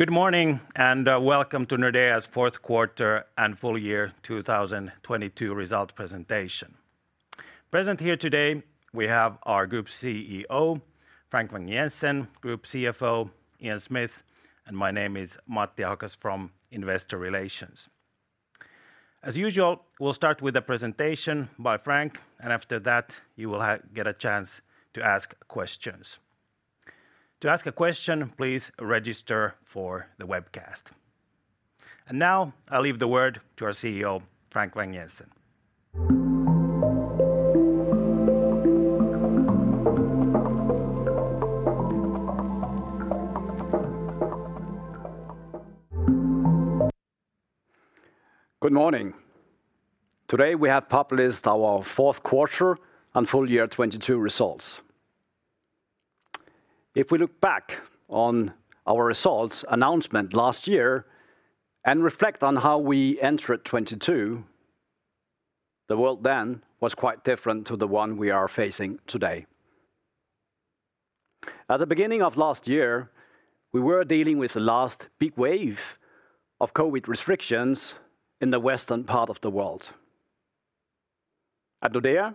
Good morning, welcome to Nordea's fourth quarter and full year 2022 result presentation. Present here today, we have our Group CEO, Frank Vang-Jensen, Group CFO, Ian Smith, and my name is Matti Haapakoski from Investor Relations. As usual, we'll start with a presentation by Frank, after that you will get a chance to ask questions. To ask a question, please register for the webcast. Now I leave the word to our CEO Frank Vang-Jensen. Good morning. Today, we have published our fourth quarter and full year 22 results. If we look back on our results announcement last year and reflect on how we entered 22, the world then was quite different to the one we are facing today. At the beginning of last year, we were dealing with the last big wave of COVID restrictions in the western part of the world. At Nordea,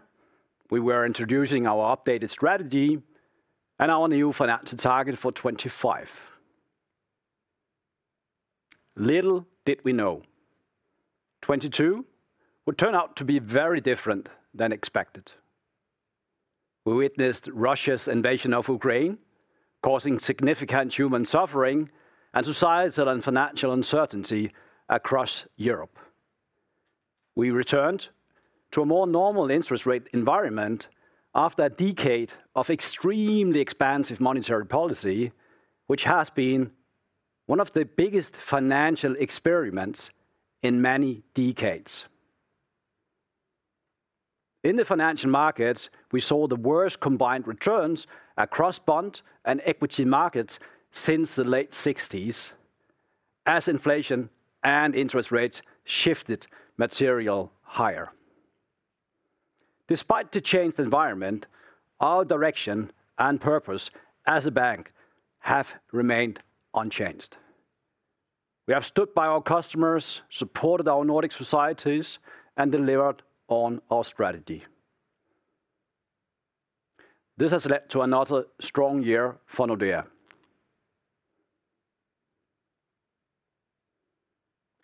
we were introducing our updated strategy and our new financial target for 25. Little did we know 22 would turn out to be very different than expected. We witnessed Russia's invasion of Ukraine, causing significant human suffering and societal and financial uncertainty across Europe. We returned to a more normal interest rate environment after a decade of extremely expansive monetary policy, which has been one of the biggest financial experiments in many decades. In the financial markets, we saw the worst combined returns across bond and equity markets since the late sixties as inflation and interest rates shifted material higher. Despite the changed environment, our direction and purpose as a bank have remained unchanged. We have stood by our customers, supported our Nordic societies, and delivered on our strategy. This has led to another strong year for Nordea.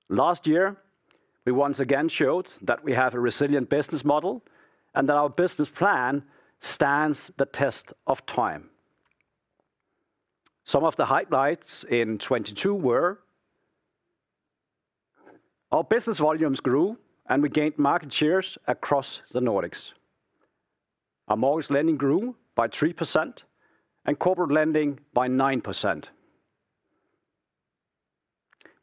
Last year, we once again showed that we have a resilient business model and that our business plan stands the test of time. Some of the highlights in 2022 were: our business volumes grew, and we gained market shares across the Nordics. Our mortgage lending grew by 3% and corporate lending by 9%.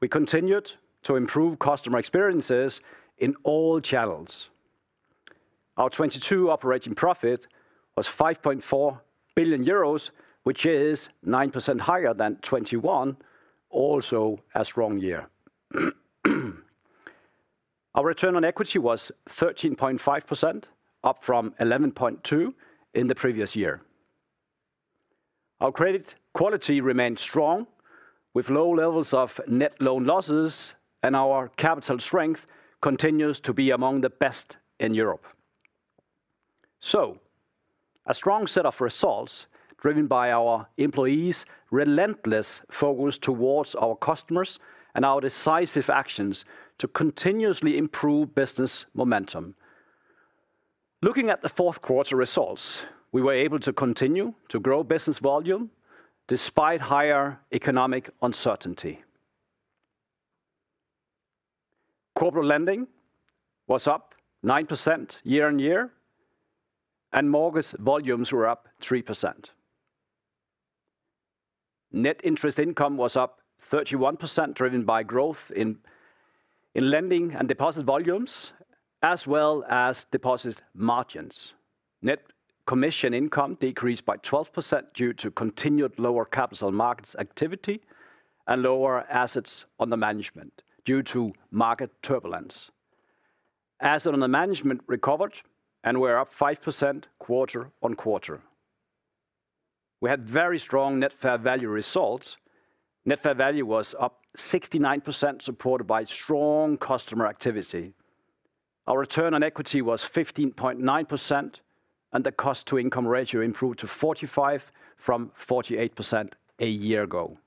We continued to improve customer experiences in all channels. Our 2022 operating profit was 5.4 billion euros, which is 9% higher than 2021, also a strong year. Our return on equity was 13.5%, up from 11.2% in the previous year. Our credit quality remained strong, with low levels of net loan losses, and our capital strength continues to be among the best in Europe. A strong set of results driven by our employees' relentless focus towards our customers and our decisive actions to continuously improve business momentum. Looking at the fourth quarter results, we were able to continue to grow business volume despite higher economic uncertainty. Corporate lending was up 9% year-on-year, and mortgage volumes were up 3%. Net interest income was up 31%, driven by growth in lending and deposit volumes as well as deposit margins. Net commission income decreased by 12% due to continued lower capital markets activity and lower assets under management due to market turbulence. Assets under management recovered and were up 5% quarter-on-quarter. We had very strong net fair value results. Net fair value was up 69%, supported by strong customer activity. Our return on equity was 15.9%, and the cost-to-income ratio improved to 45% from 48% a year ago.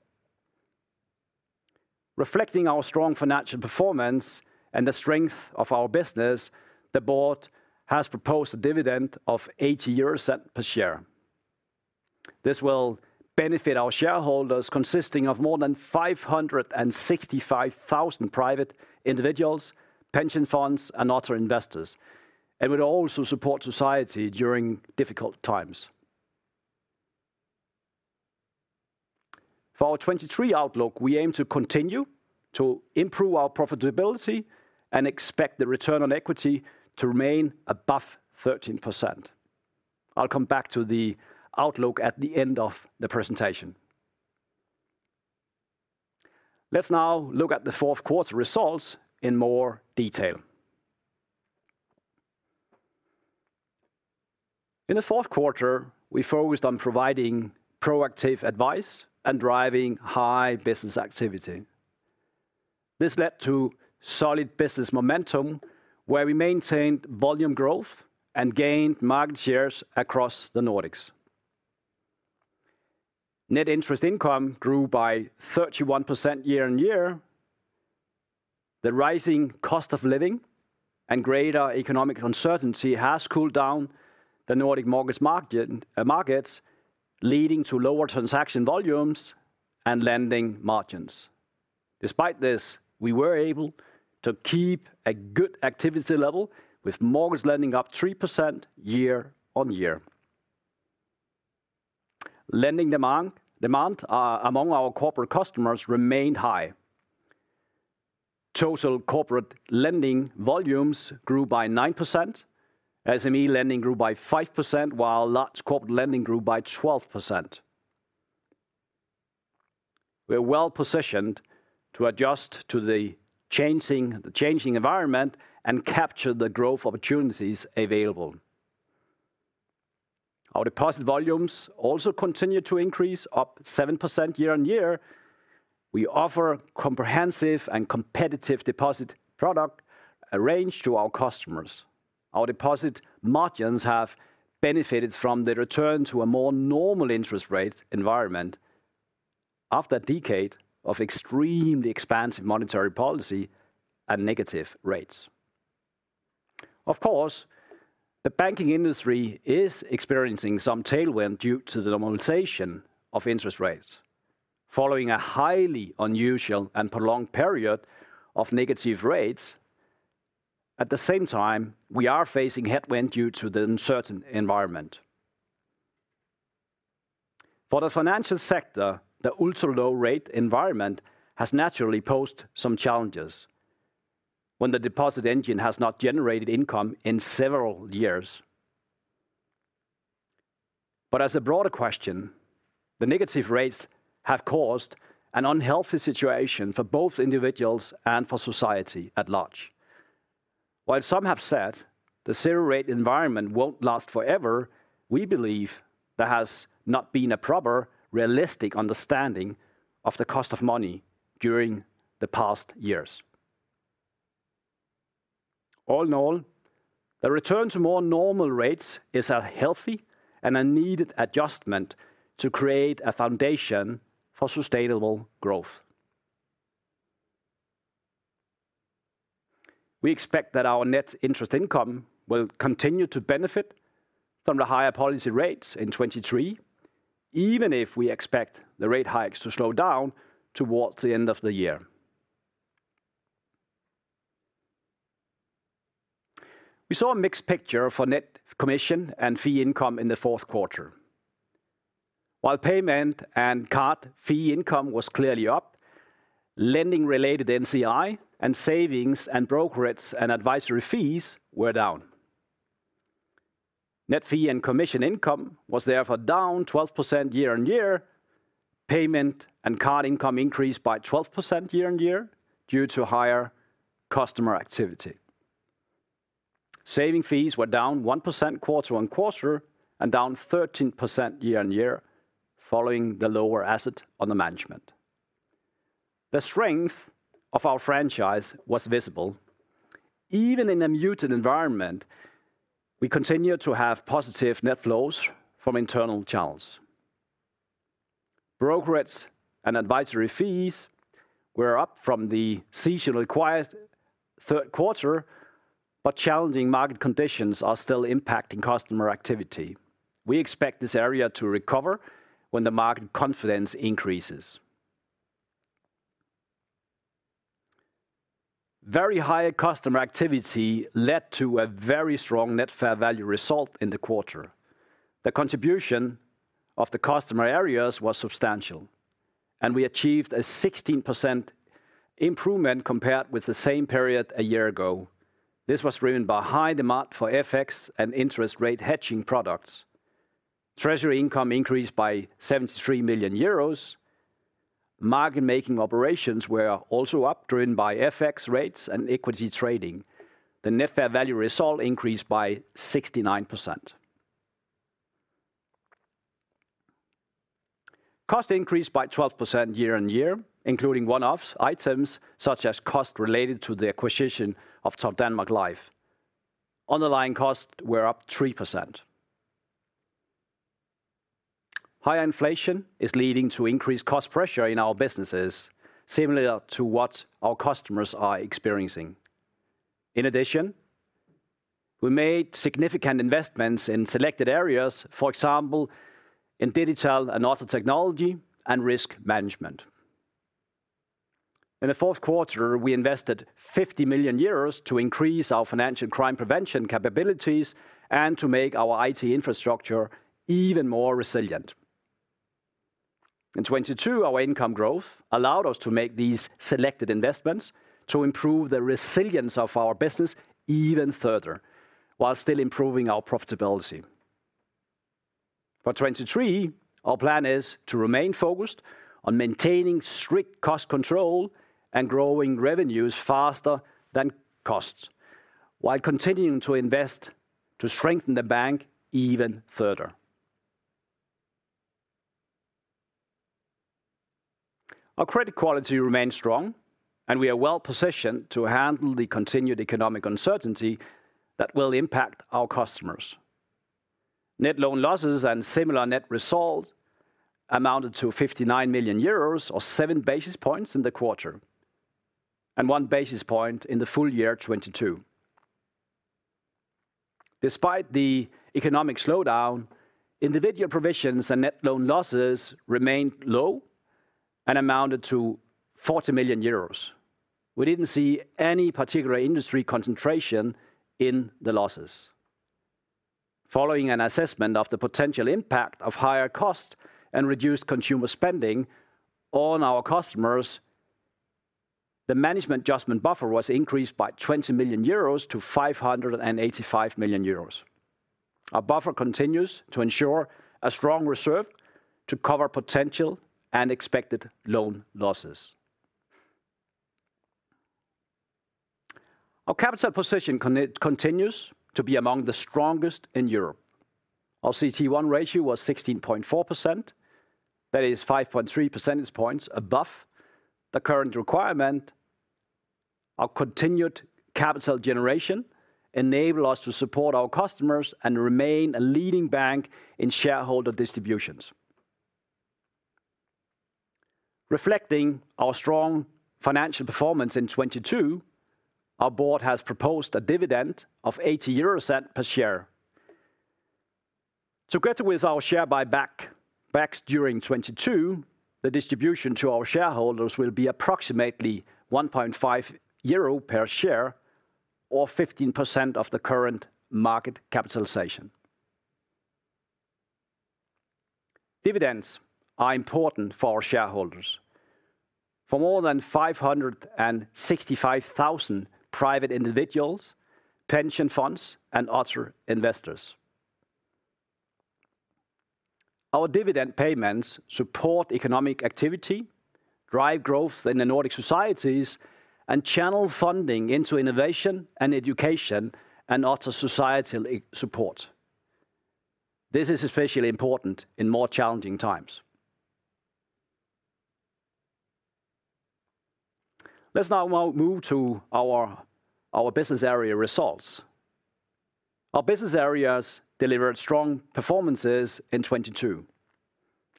Reflecting our strong financial performance and the strength of our business, the board has proposed a dividend of 0.80 per share. This will benefit our shareholders, consisting of more than 565,000 private individuals, pension funds, and other investors. It will also support society during difficult times. For our 2023 outlook, we aim to continue to improve our profitability and expect the return on equity to remain above 13%. I'll come back to the outlook at the end of the presentation. Let's now look at the fourth quarter results in more detail. In the fourth quarter, we focused on providing proactive advice and driving high business activity. This led to solid business momentum, where we maintained volume growth and gained market shares across the Nordics. Net interest income grew by 31% year-on-year. The rising cost of living and greater economic uncertainty has cooled down the Nordic markets, leading to lower transaction volumes and lending margins. Despite this, we were able to keep a good activity level with mortgage lending up 3% year-on-year. Lending demand among our corporate customers remained high. Total corporate lending volumes grew by 9%. SME lending grew by 5%, while Large Corporate lending grew by 12%. We're well-positioned to adjust to the changing environment and capture the growth opportunities available. Our deposit volumes also continued to increase, up 7% year-over-year. We offer comprehensive and competitive deposit product range to our customers. Our deposit margins have benefited from the return to a more normal interest rate environment after a decade of extremely expansive monetary policy and negative rates. Of course, the banking industry is experiencing some tailwind due to the normalization of interest rates following a highly unusual and prolonged period of negative rates. At the same time, we are facing headwind due to the uncertain environment. For the financial sector, the ultra-low rate environment has naturally posed some challenges when the deposit engine has not generated income in several years. As a broader question, the negative rates have caused an unhealthy situation for both individuals and for society at large. While some have said the zero rate environment won't last forever, we believe there has not been a proper, realistic understanding of the cost of money during the past years. All in all, the return to more normal rates is a healthy and a needed adjustment to create a foundation for sustainable growth. We expect that our Net Interest Income will continue to benefit from the higher policy rates in 2023, even if we expect the rate hikes to slow down towards the end of the year. We saw a mixed picture for Net Commission and Fee Income in the fourth quarter. While payment and card fee income was clearly up, lending related NCI and savings and brokerage and advisory fees were down. Net Fee and Commission Income was therefore down 12% year-on-year. Payment and card income increased by 12% year-on-year due to higher customer activity. Saving fees were down 1% quarter-on-quarter and down 13% year-on-year following the lower asset on the management. The strength of our franchise was visible. Even in a muted environment, we continue to have positive net flows from internal channels. Brokerage and advisory fees were up from the seasonal quiet third quarter. Challenging market conditions are still impacting customer activity. We expect this area to recover when the market confidence increases. Very high customer activity led to a very strong Net fair value result in the quarter. The contribution of the customer areas was substantial, and we achieved a 16% improvement compared with the same period a year ago. This was driven by high demand for FX and interest rate hedging products. Treasury income increased by 73 million euros. Market making operations were also up, driven by FX rates and equity trading. The net fair value result increased by 69%. Cost increased by 12% year on year, including one-off items such as cost related to the acquisition of Topdanmark Life. Underlying costs were up 3%. Higher inflation is leading to increased cost pressure in our businesses, similar to what our customers are experiencing. In addition, we made significant investments in selected areas, for example, in digital and other technology and risk management. In the fourth quarter, we invested 50 million euros to increase our financial crime prevention capabilities and to make our IT infrastructure even more resilient. In 2022, our income growth allowed us to make these selected investments to improve the resilience of our business even further while still improving our profitability. For 2023, our plan is to remain focused on maintaining strict cost control and growing revenues faster than costs, while continuing to invest to strengthen the bank even further. Our credit quality remains strong. We are well positioned to handle the continued economic uncertainty that will impact our customers. Net loan losses and similar net results amounted to 59 million euros, or 7 basis points in the quarter, and 1 basis point in the full year 2022. Despite the economic slowdown, individual provisions and net loan losses remained low and amounted to 40 million euros. We didn't see any particular industry concentration in the losses. Following an assessment of the potential impact of higher cost and reduced consumer spending on our customers, the management adjustment buffer was increased by 20 million euros to 585 million euros. Our buffer continues to ensure a strong reserve to cover potential and expected loan losses. Our capital position continues to be among the strongest in Europe. Our CT1 ratio was 16.4%. That is 5.3 percentage points above the current requirement. Our continued capital generation enable us to support our customers and remain a leading bank in shareholder distributions. Reflecting our strong financial performance in 2022, our board has proposed a dividend of 0.80 per share. Together with our share buybacks during 2022, the distribution to our shareholders will be approximately 1.5 euro per share or 15% of the current market capitalization. Dividends are important for our shareholders. For more than 565,000 private individuals, pension funds, and other investors, our dividend payments support economic activity, drive growth in the Nordic societies, and channel funding into innovation and education and other societal support. This is especially important in more challenging times. Let's now move to our business area results. Our business areas delivered strong performances in 2022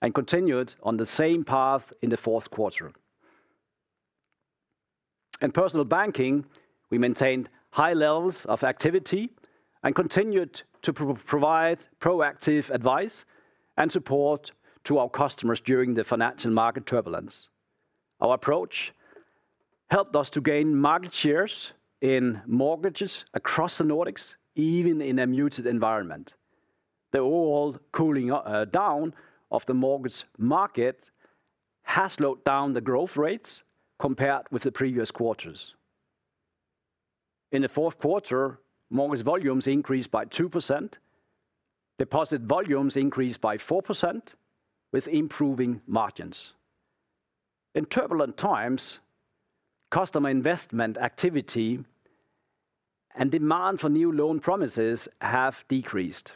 and continued on the same path in the fourth quarter. In Personal Banking, we maintained high levels of activity and continued to provide proactive advice and support to our customers during the financial market turbulence. Our approach helped us to gain market shares in mortgages across the Nordics, even in a muted environment. The overall cooling down of the mortgage market has slowed down the growth rates compared with the previous quarters. In the fourth quarter, mortgage volumes increased by 2%, deposit volumes increased by 4% with improving margins. In turbulent times, customer investment activity and demand for new loan promises have decreased.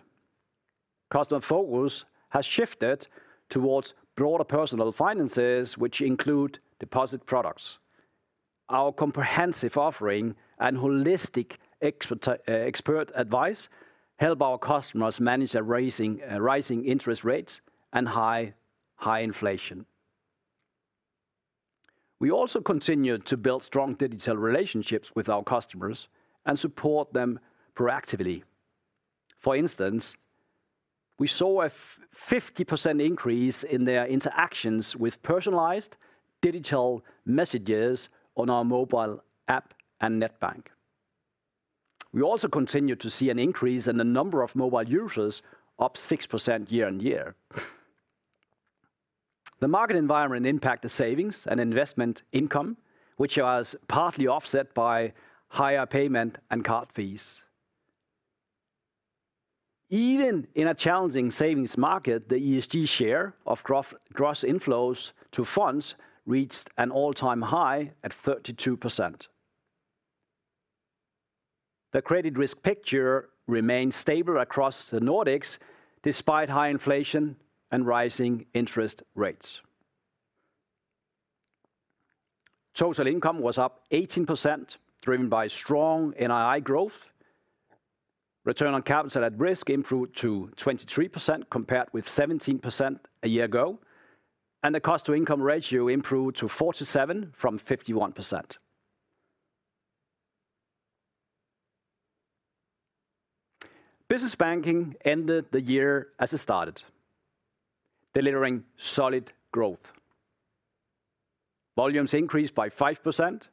Customer focus has shifted towards broader personal finances, which include deposit products. Our comprehensive offering and holistic expert advice help our customers manage their rising interest rates and high inflation. We also continue to build strong digital relationships with our customers and support them proactively. For instance, we saw a 50% increase in their interactions with personalized digital messages on our mobile app and net bank. We also continue to see an increase in the number of mobile users, up 6% year-on-year. The market environment impact the savings and investment income, which was partly offset by higher payment and card fees. Even in a challenging savings market, the ESG share of gross inflows to funds reached an all-time high at 32%. The credit risk picture remained stable across the Nordics despite high inflation and rising interest rates. Total income was up 18%, driven by strong NII growth. Return on capital at risk improved to 23% compared with 17% a year ago, and the cost-to-income ratio improved to 47% from 51%. Business Banking ended the year as it started, delivering solid growth. Volumes increased by 5%,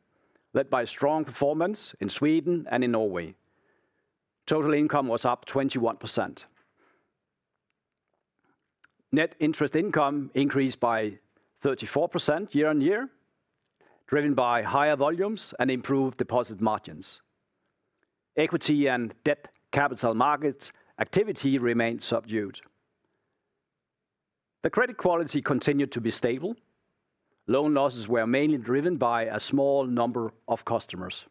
led by strong performance in Sweden and in Norway. Total income was up 21%. Net interest income increased by 34% year-over-year, driven by higher volumes and improved deposit margins. Equity and debt capital markets activity remained subdued. The credit quality continued to be stable. Loan losses were mainly driven by a small number of customers.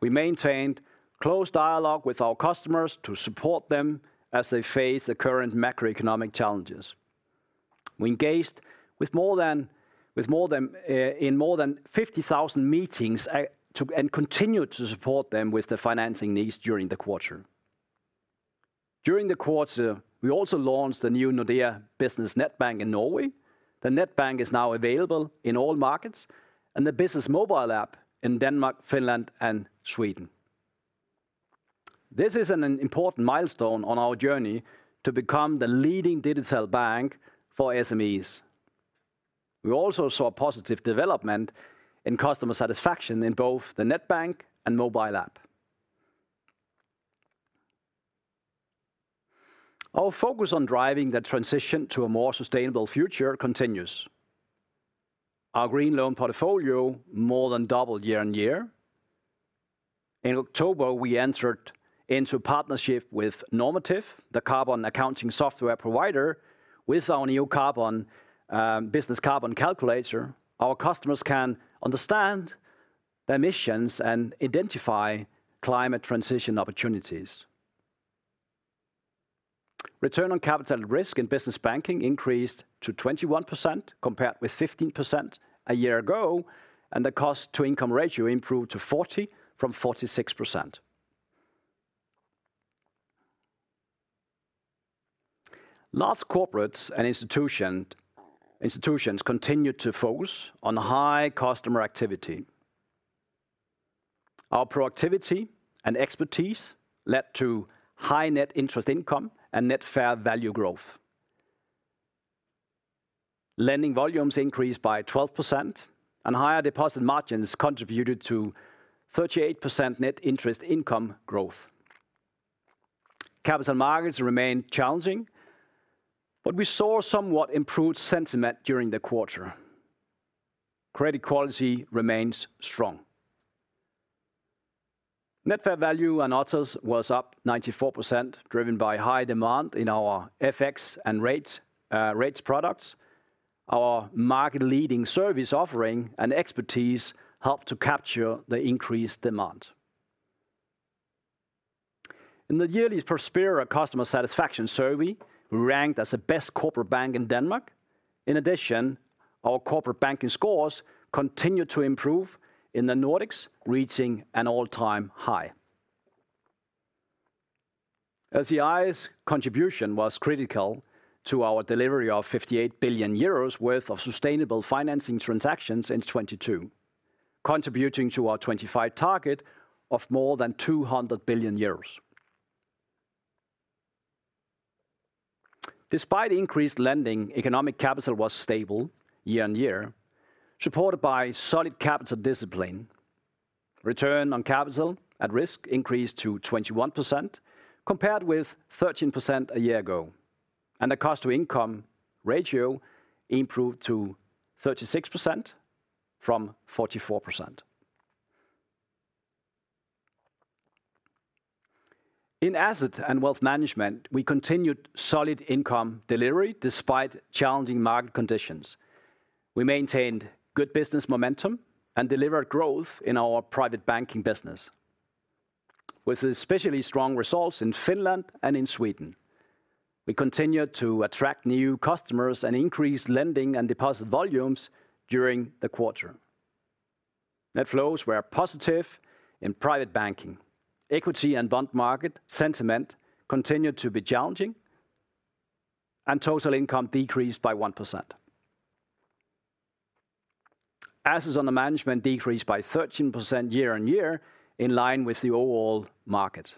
We maintained close dialogue with our customers to support them as they face the current macroeconomic challenges. We engaged with more than 50,000 meetings and continued to support them with their financing needs during the quarter. During the quarter, we also launched the new Nordea Business Net Bank in Norway. The Net Bank is now available in all markets, and the business mobile app in Denmark, Finland, and Sweden. This is an important milestone on our journey to become the leading digital bank for SMEs. We also saw a positive development in customer satisfaction in both the Net Bank and mobile app. Our focus on driving the transition to a more sustainable future continues. Our green loan portfolio more than doubled year-on-year. In October, we entered into a partnership with Normative, the carbon accounting software provider. With our new Business Carbon Calculator, our customers can understand their emissions and identify climate transition opportunities. Return on capital at risk in Business Banking increased to 21% compared with 15% a year ago, and the cost-to-income ratio improved to 40% from 46%. Large Corporates & Institutions continued to focus on high customer activity. Our productivity and expertise led to high net interest income and Net fair value growth. Lending volumes increased by 12%, higher deposit margins contributed to 38% net interest income growth. Capital markets remained challenging, we saw somewhat improved sentiment during the quarter. Credit quality remains strong. Net fair value and others was up 94%, driven by high demand in our FX and rates products. Our market-leading service offering and expertise helped to capture the increased demand. In the yearly Prospera customer satisfaction survey, we ranked as the best corporate bank in Denmark. In addition, our corporate banking scores continued to improve in the Nordics, reaching an all-time high. LC&I's contribution was critical to our delivery of 58 billion euros worth of sustainable financing transactions in 2022, contributing to our 2025 target of more than 200 billion euros. Despite increased lending, economic capital was stable year-over-year, supported by solid capital discipline. Return on capital at risk increased to 21% compared with 13% a year ago, and the cost-to-income ratio improved to 36% from 44%. In Asset & Wealth Management, we continued solid income delivery despite challenging market conditions. We maintained good business momentum and delivered growth in our private banking business, with especially strong results in Finland and in Sweden We continued to attract new customers and increase lending and deposit volumes during the quarter. Net flows were positive in private banking. Equity and bond market sentiment continued to be challenging, total income decreased by 1%. Assets under management decreased by 13% year-over-year, in line with the overall market.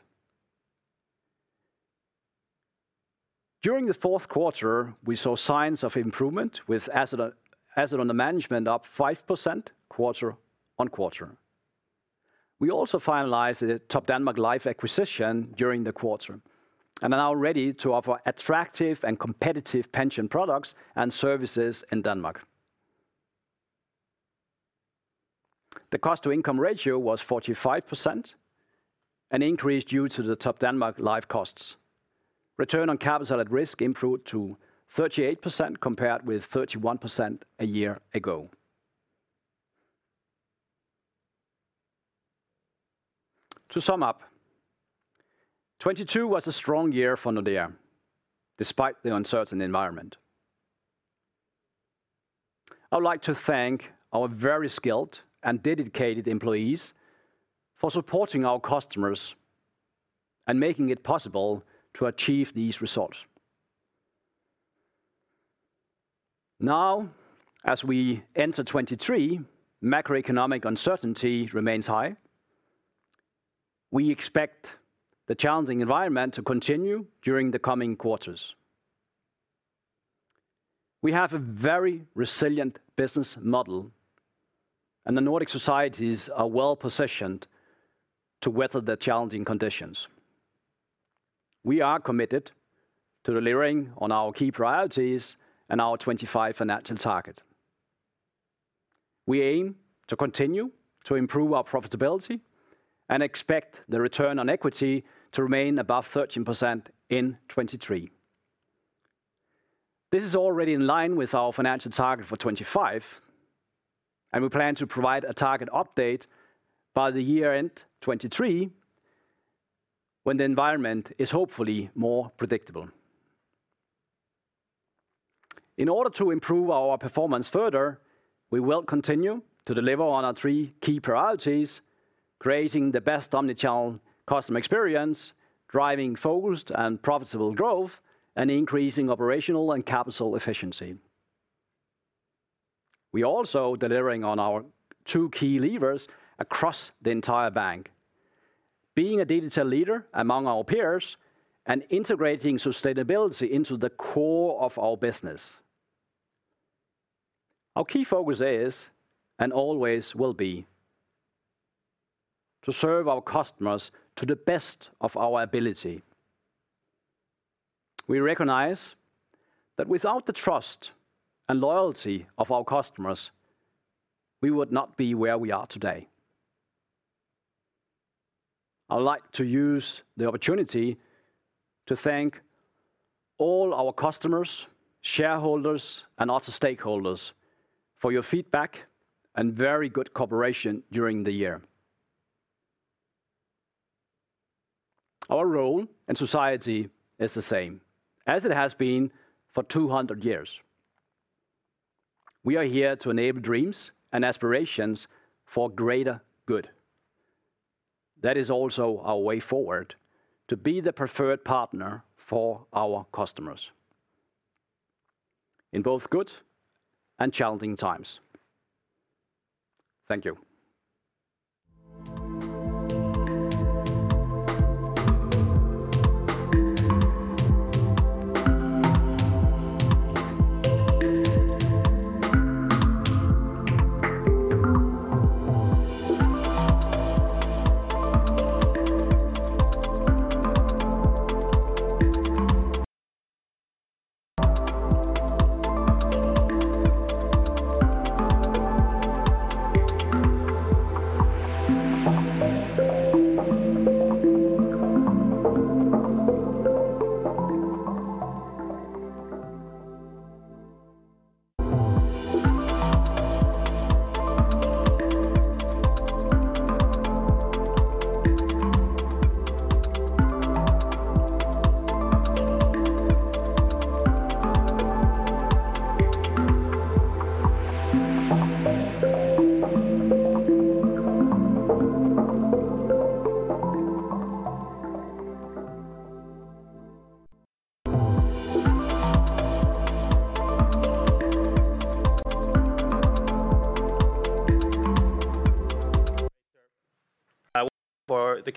During the fourth quarter, we saw signs of improvement with asset under management up 5% quarter-on-quarter. We also finalized the Topdanmark Life acquisition during the quarter, are now ready to offer attractive and competitive pension products and services in Denmark. The cost-to-income ratio was 45%, an increase due to the Topdanmark Life costs. Return on capital at risk improved to 38% compared with 31% a year ago. To sum up, 2022 was a strong year for Nordea, despite the uncertain environment. I would like to thank our very skilled and dedicated employees for supporting our customers and making it possible to achieve these results. As we enter 2023, macroeconomic uncertainty remains high. We expect the challenging environment to continue during the coming quarters. We have a very resilient business model, and the Nordic societies are well-positioned to weather the challenging conditions. We are committed to delivering on our key priorities and our 25 financial target. We aim to continue to improve our profitability and expect the return on equity to remain above 13% in 2023. This is already in line with our financial target for 2025, and we plan to provide a target update by the year-end 2023 when the environment is hopefully more predictable. In order to improve our performance further, we will continue to deliver on our three key priorities, creating the best omnichannel customer experience, driving focused and profitable growth, and increasing operational and capital efficiency. We're also delivering on our two key levers across the entire bank. Being a digital leader among our peers and integrating sustainability into the core of our business. Our key focus is, and always will be, to serve our customers to the best of our ability. We recognize that without the trust and loyalty of our customers, we would not be where we are today. I'd like to use the opportunity to thank all our customers, shareholders, and also stakeholders for your feedback and very good cooperation during the year. Our role in society is the same as it has been for 200 years. We are here to enable dreams and aspirations for greater good. That is also our way forward to be the preferred partner for our customers in both good and challenging times. Thank you.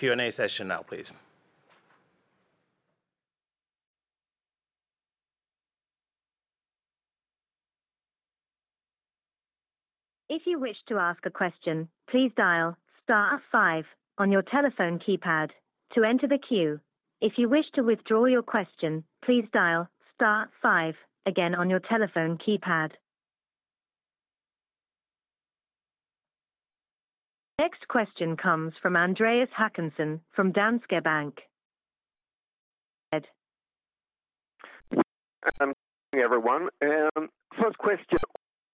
For the Q&A session now, please. If you wish to ask a question, please dial star five on your telephone keypad to enter the queue. If you wish to withdraw your question, please dial star five again on your telephone keypad. Next question comes from Andreas Håkansson from Danske Bank. Go ahead. Good morning, everyone. First question,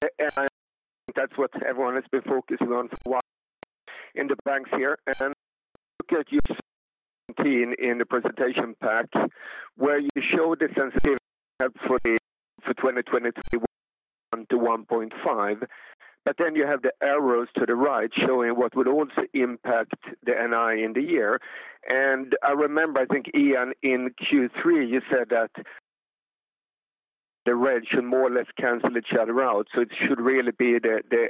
that's what everyone has been focusing on for a while in the banks here. Look at in the presentation pack where you show the sensitivity for 2023 1-1.5. You have the arrows to the right showing what would also impact the NII in the year. I remember, I think, Ian, in Q3, you said that the red should more or less cancel each other out, so it should really be the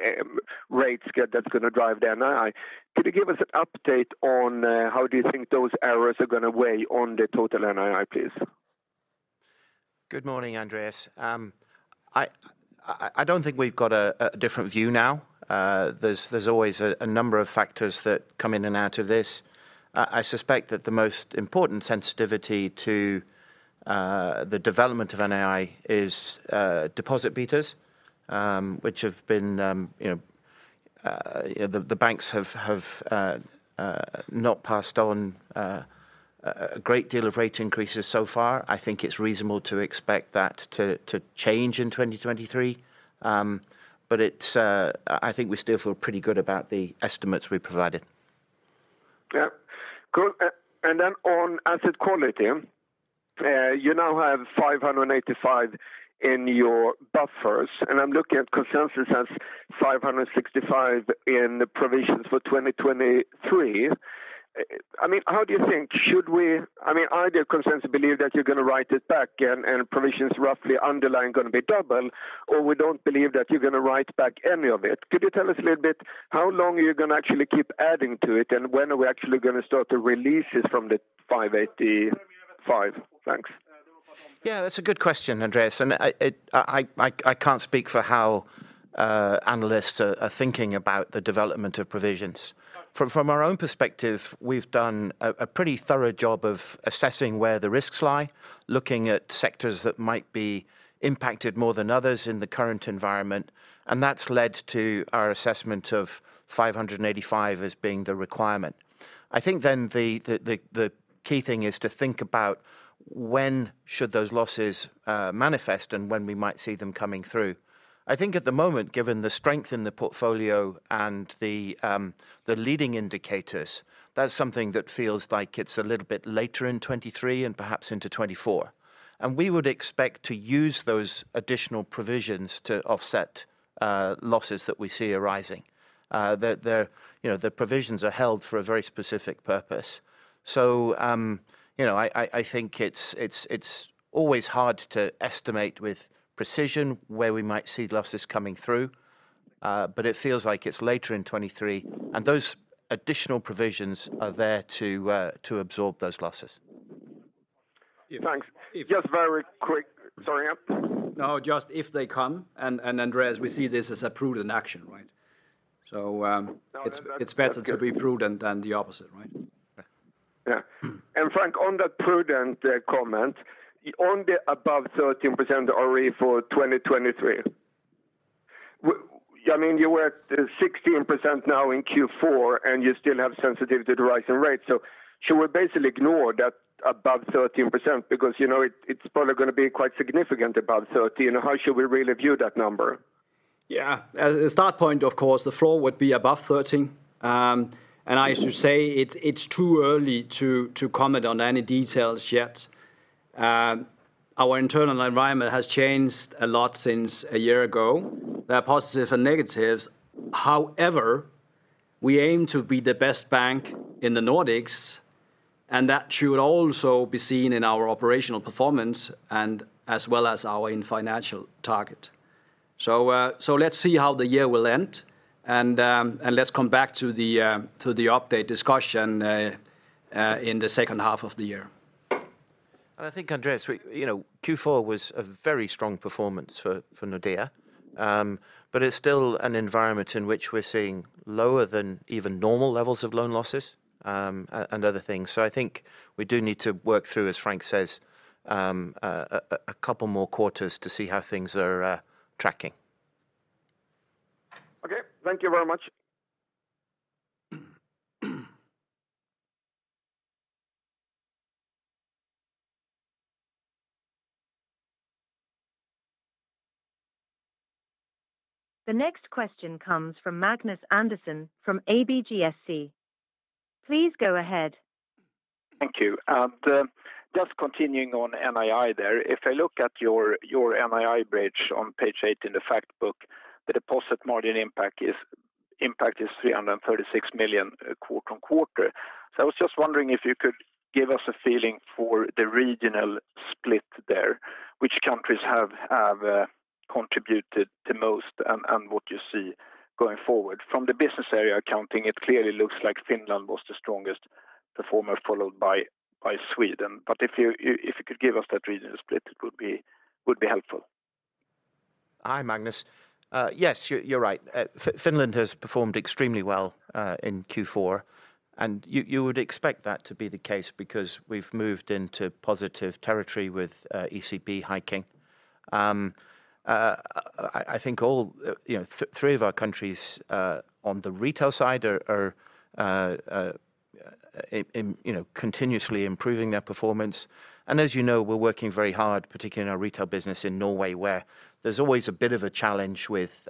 rates that's going to drive the NII. Could you give us an update on how do you think those errors are going to weigh on the total NII, please? Good morning, Andreas. I don't think we've got a different view now. There's always a number of factors that come in and out of this. I suspect that the most important sensitivity to the development of NII is deposit betas, which have been, you know, the banks have not passed on a great deal of rate increases so far. I think it's reasonable to expect that to change in 2023. It's, I think we still feel pretty good about the estimates we provided. Yeah. Cool. Then on asset quality, you now have 585 in your buffers, and I'm looking at consensus as 565 in the provisions for 2023. I mean, how do you think should we? I mean, either consensus believe that you're going to write it back and provisions roughly underlying going to be double, or we don't believe that you're going to write back any of it. Could you tell us a little bit how long are you going to actually keep adding to it, and when are we actually going to start to release it from the 585? Thanks. Yeah, that's a good question, Andreas. I can't speak for how analysts are thinking about the development of provisions. From our own perspective, we've done a pretty thorough job of assessing where the risks lie, looking at sectors that might be impacted more than others in the current environment, and that's led to our assessment of 585 as being the requirement. I think the key thing is to think about when should those losses manifest and when we might see them coming through. I think at the moment, given the strength in the portfolio and the leading indicators, that's something that feels like it's a little bit later in 2023 and perhaps into 2024. We would expect to use those additional provisions to offset losses that we see arising. The, you know, the provisions are held for a very specific purpose. You know, I think it's always hard to estimate with precision where we might see losses coming through, but it feels like it's later in 23, and those additional provisions are there to absorb those losses. Thanks. Just very quick. Sorry. Just if they come, and Andreas, we see this as a prudent action, right? It's better to be prudent than the opposite, right? Yeah. Frank, on that prudent comment, on the above 13% ROE for 2023. I mean, you were at 16% now in Q4, and you still have sensitivity to the rising rate. Should we basically ignore that above 30% because, you know, it's probably gonna be quite significant above 30%. You know, how should we really view that number? Yeah. As a start point, of course, the floor would be above 13. I should say it's too early to comment on any details yet. Our internal environment has changed a lot since a year ago. There are positives and negatives. However, we aim to be the best bank in the Nordics, that should also be seen in our operational performance as well as our financial target. Let's see how the year will end, let's come back to the update discussion in the second half of the year. I think, Andreas, you know, Q4 was a very strong performance for Nordea. It's still an environment in which we're seeing lower than even normal levels of loan losses, and other things. I think we do need to work through, as Frank says, a couple more quarters to see how things are tracking. Okay. Thank you very much. The next question comes from Magnus Andersson from ABGSC. Please go ahead. Thank you. Just continuing on NII there. If I look at your NII bridge on page 8 in the fact book, the deposit margin impact is 336 million quarter-on-quarter. I was just wondering if you could give us a feeling for the regional split there, which countries have contributed the most and what you see going forward. From the business area accounting, it clearly looks like Finland was the strongest performer followed by Sweden. If you could give us that regional split, it would be helpful. Hi, Magnus. Yes, you're right. Finland has performed extremely well in Q4. You would expect that to be the case because we've moved into positive territory with ECB hiking. I think all, you know, three of our countries on the retail side are, you know, continuously improving their performance. As you know, we're working very hard, particularly in our retail business in Norway, where there's always a bit of a challenge with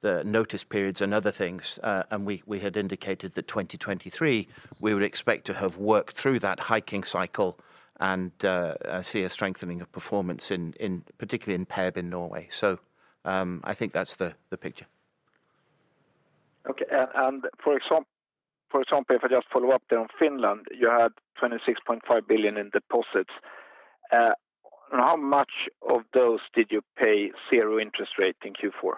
the notice periods and other things. We had indicated that 2023, we would expect to have worked through that hiking cycle and see a strengthening of performance in particularly in PB in Norway. I think that's the picture. Okay. For example, if I just follow up there on Finland, you had 26.5 billion in deposits. How much of those did you pay zero interest rate in Q4?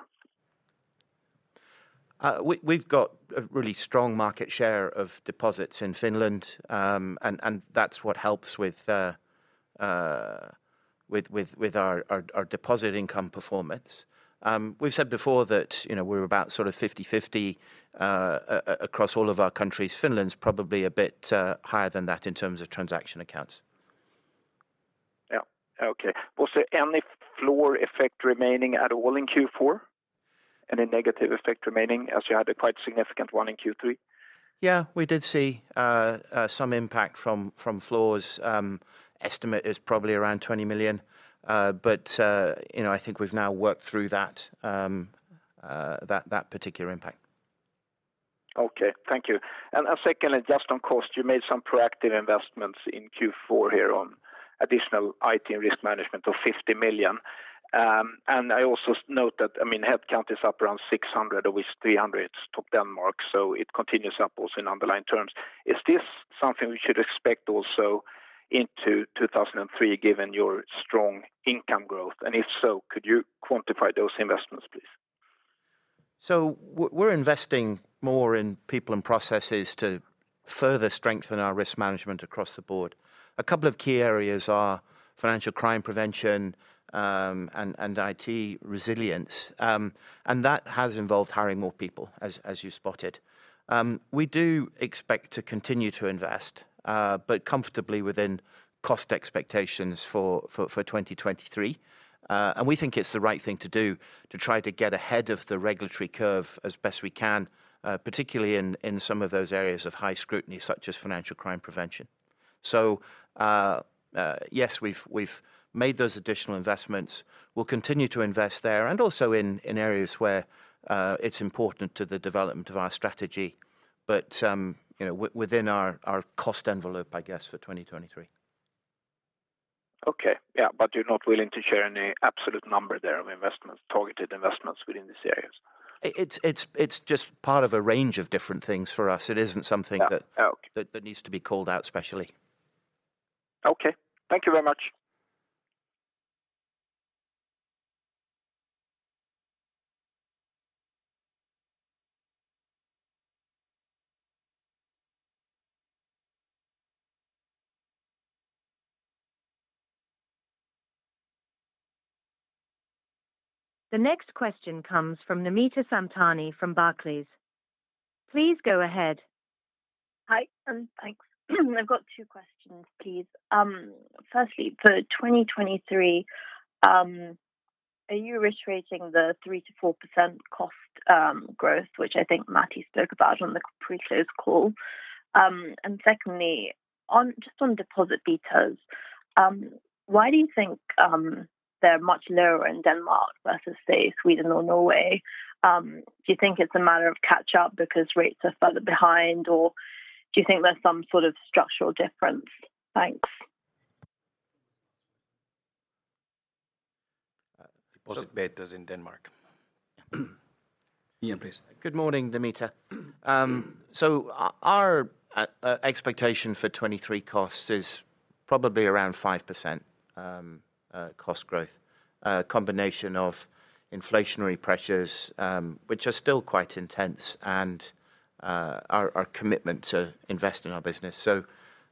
We've got a really strong market share of deposits in Finland, and that's what helps with our deposit income performance. We've said before that, you know, we're about sort of 50/50 across all of our countries. Finland's probably a bit higher than that in terms of transaction accounts. Yeah. Okay. Was there any floor effect remaining at all in Q4? Any negative effect remaining as you had a quite significant one in Q3? We did see some impact from floors. Estimate is probably around 20 million. You know, I think we've now worked through that particular impact. Okay. Thank you. Secondly, just on cost, you made some proactive investments in Q4 here on additional IT and risk management of 50 million. I also note that, I mean, headcount is up around 600, of which 300 took Denmark, so it continues up also in underlying terms. Is this something we should expect also into 2003, given your strong income growth? If so, could you quantify those investments, please? We're investing more in people and processes to further strengthen our risk management across the board. A couple of key areas are financial crime prevention, and IT resilience. That has involved hiring more people as you spotted. We do expect to continue to invest comfortably within cost expectations for 2023. We think it's the right thing to do to try to get ahead of the regulatory curve as best we can, particularly in some of those areas of high scrutiny, such as financial crime prevention. Yes, we've made those additional investments. We'll continue to invest there and also in areas where it's important to the development of our strategy, you know, within our cost envelope, I guess, for 2023. Okay. Yeah. you're not willing to share any absolute number there of targeted investments within these areas? It's just part of a range of different things for us. It isn't something. Yeah. Okay.... that needs to be called out especially. Okay. Thank you very much. The next question comes from Namita Samtani from Barclays. Please go ahead. Hi, thanks. I've got two questions, please. Firstly, for 2023, are you reiterating the 3%-4% cost growth, which I think Matti spoke about on the pre-close call? Secondly, just on deposit betas, why do you think they're much lower in Denmark versus, say, Sweden or Norway? Do you think it's a matter of catch-up because rates are further behind, or do you think there's some sort of structural difference? Thanks. Uh. Deposit betas in Denmark. Yeah, please. Good morning, Namita. Our expectation for 2023 costs is probably around 5% cost growth. A combination of inflationary pressures, which are still quite intense and our commitment to invest in our business.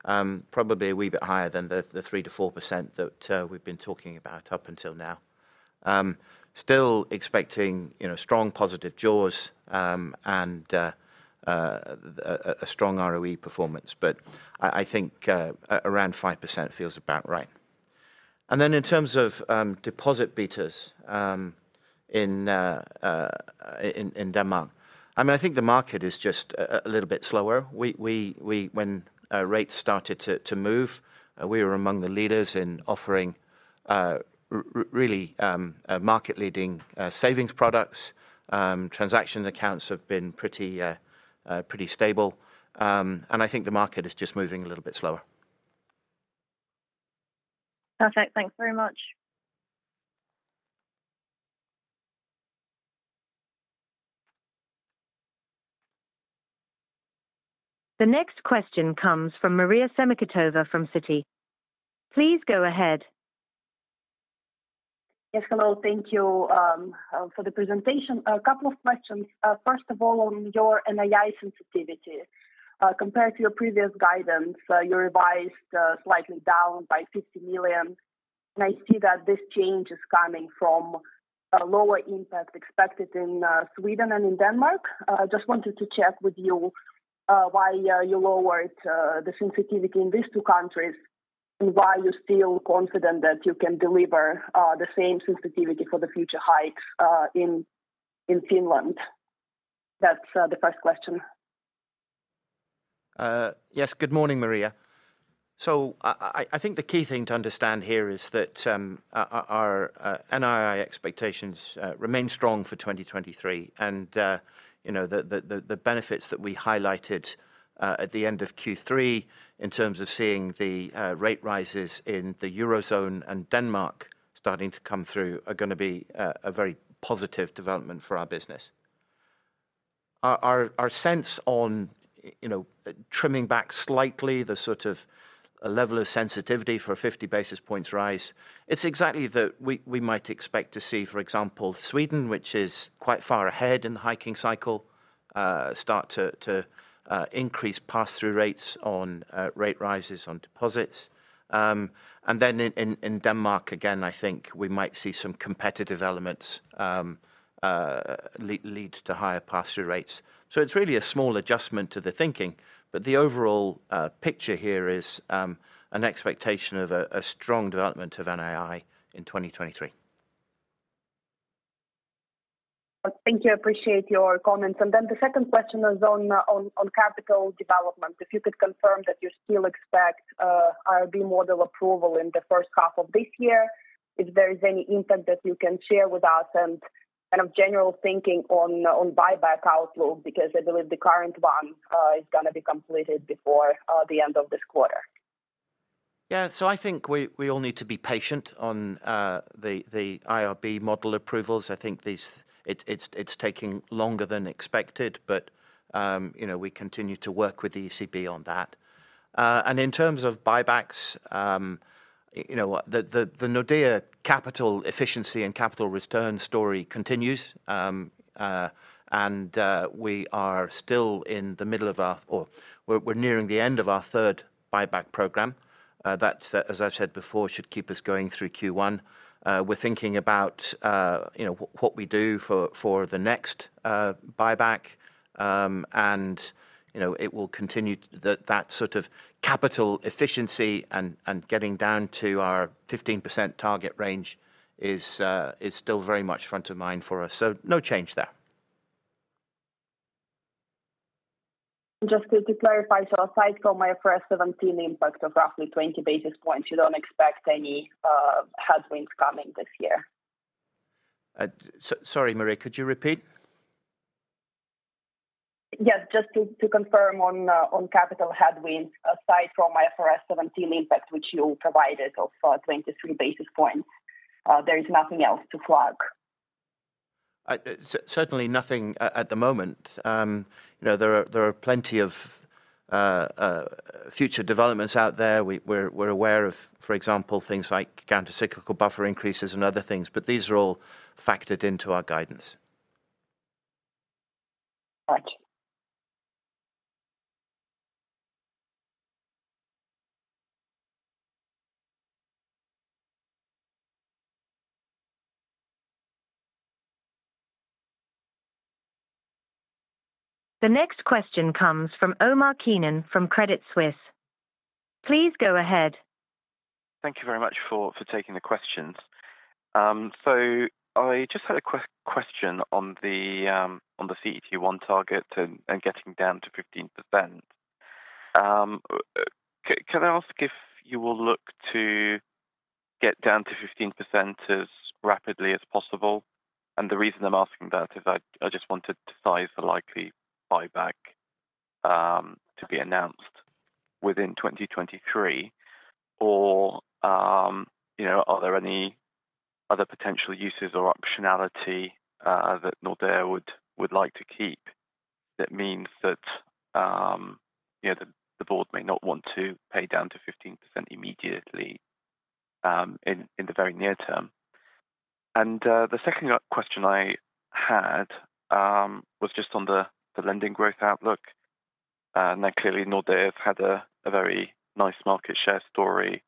Probably a wee bit higher than the 3%-4% that we've been talking about up until now. Still expecting, you know, strong positive jaws, and a strong ROE performance, but I think around 5% feels about right. In terms of deposit betas, in Denmark, I mean, I think the market is just a little bit slower. We when rates started to move, we were among the leaders in offering really market-leading savings products. Transaction accounts have been pretty stable. I think the market is just moving a little bit slower. Perfect. Thanks very much. The next question comes from Maria Semikhatova from Citi. Please go ahead. Yes. Hello. Thank you for the presentation. A couple of questions. First of all, on your NII sensitivity. Compared to your previous guidance, you revised slightly down by 50 million. I see that this change is coming from a lower impact expected in Sweden and in Denmark. Just wanted to check with you why you lowered the sensitivity in these two countries and why you feel confident that you can deliver the same sensitivity for the future hikes in Finland? That's the first question. Yes. Good morning, Maria. I think the key thing to understand here is that our NII expectations remain strong for 2023. You know, the benefits that we highlighted at the end of Q3 in terms of seeing the rate rises in the Eurozone and Denmark starting to come through are gonna be a very positive development for our business. Our sense on, you know, trimming back slightly the sort of level of sensitivity for a 50 basis points rise, it's exactly that we might expect to see, for example, Sweden, which is quite far ahead in the hiking cycle, start to increase pass-through rates on rate rises on deposits. In Denmark, again, I think we might see some competitive elements lead to higher pass-through rates. It's really a small adjustment to the thinking, but the overall picture here is an expectation of a strong development of NII in 2023. Thank you. I appreciate your comments. Then the second question is on capital development. If you could confirm that you still expect IRB model approval in the first half of this year. If there is any impact that you can share with us and kind of general thinking on buyback outlook, because I believe the current one is gonna be completed before the end of this quarter. I think we all need to be patient on the IRB model approvals. I think it's taking longer than expected, but, you know, we continue to work with the ECB on that. In terms of buybacks, you know what, the Nordea capital efficiency and capital return story continues. We are still in the middle of our or we're nearing the end of our third buyback program that, as I've said before, should keep us going through Q1. We're thinking about, you know, what we do for the next buyback. You know, it will continue that sort of capital efficiency and getting down to our 15% target range is still very much front of mind for us. No change there. Just to clarify. Aside from IFRS 17 impact of roughly 20 basis points, you don't expect any headwinds coming this year? Sorry, Maria, could you repeat? Yes. Just to confirm on capital headwinds, aside from IFRS 17 impact, which you provided of 23 basis points, there is nothing else to flag. Certainly nothing at the moment. You know, there are plenty of future developments out there. We're aware of, for example, things like countercyclical buffer increases and other things, but these are all factored into our guidance. Thank you. The next question comes from Omar Keenan from Credit Suisse. Please go ahead. Thank you very much for taking the questions. So I just had a question on the CET1 target and getting down to 15%. Can I ask if you will look to get down to 15% as rapidly as possible? And the reason I'm asking that is I just wanted to size the likely buyback to be announced within 2023. Or, you know, are there any other potential uses or optionality that Nordea would like to keep that means that, you know, the board may not want to pay down to 15% immediately in the very near term? And the second question I had was just on the lending growth outlook. Clearly Nordea have had a very nice market share story,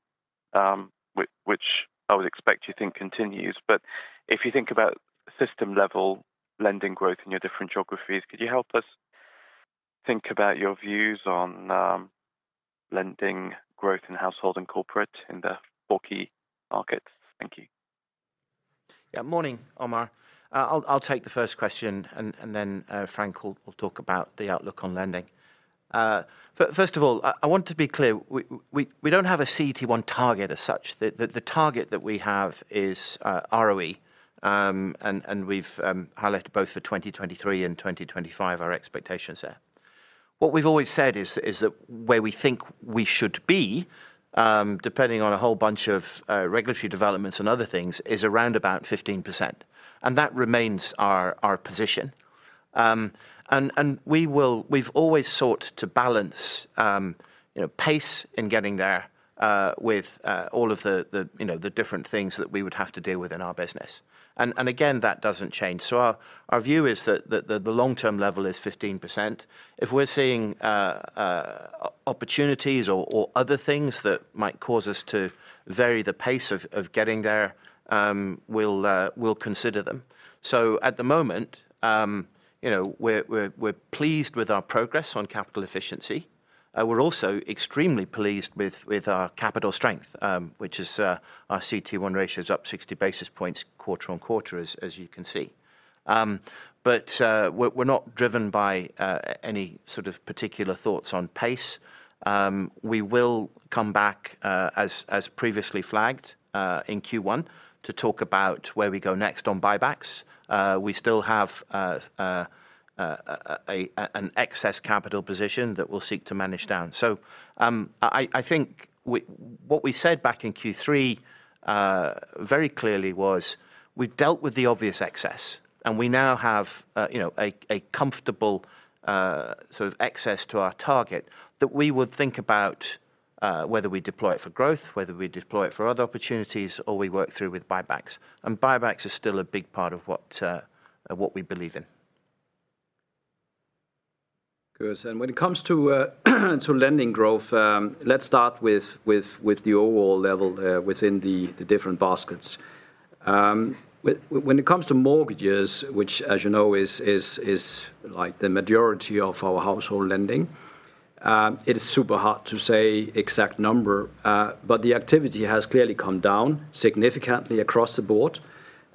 which I would expect you think continues. If you think about system level lending growth in your different geographies, could you help us think about your views on, lending growth in household and corporate in the four key markets? Thank you. Morning, Omar. I'll take the first question and then Frank will talk about the outlook on lending. First of all, I want to be clear, we don't have a CET1 target as such. The target that we have is ROE, and we've highlighted both for 2023 and 2025 our expectations there. What we've always said is that where we think we should be, depending on a whole bunch of regulatory developments and other things, is around about 15%, and that remains our position. And we've always sought to balance, you know, pace in getting there, with all of the, you know, the different things that we would have to deal with in our business. Again, that doesn't change. Our view is that the long-term level is 15%. If we're seeing opportunities or other things that might cause us to vary the pace of getting there, we'll consider them. At the moment, you know, we're pleased with our progress on capital efficiency. We're also extremely pleased with our capital strength, which is our CET1 ratio is up 60 basis points quarter on quarter, as you can see. But we're not driven by any sort of particular thoughts on pace. We will come back, as previously flagged, in Q1 to talk about where we go next on buybacks. We still have an excess capital position that we'll seek to manage down. I think what we said back in Q3 very clearly was we've dealt with the obvious excess, and we now have, you know, a comfortable sort of excess to our target that we would think about whether we deploy it for growth, whether we deploy it for other opportunities or we work through with buybacks. Buybacks are still a big part of what we believe in. Good. When it comes to lending growth, let's start with the overall level within the different baskets. When it comes to mortgages, which as you know is like the majority of our household lending, it is super hard to say exact number. The activity has clearly come down significantly across the board.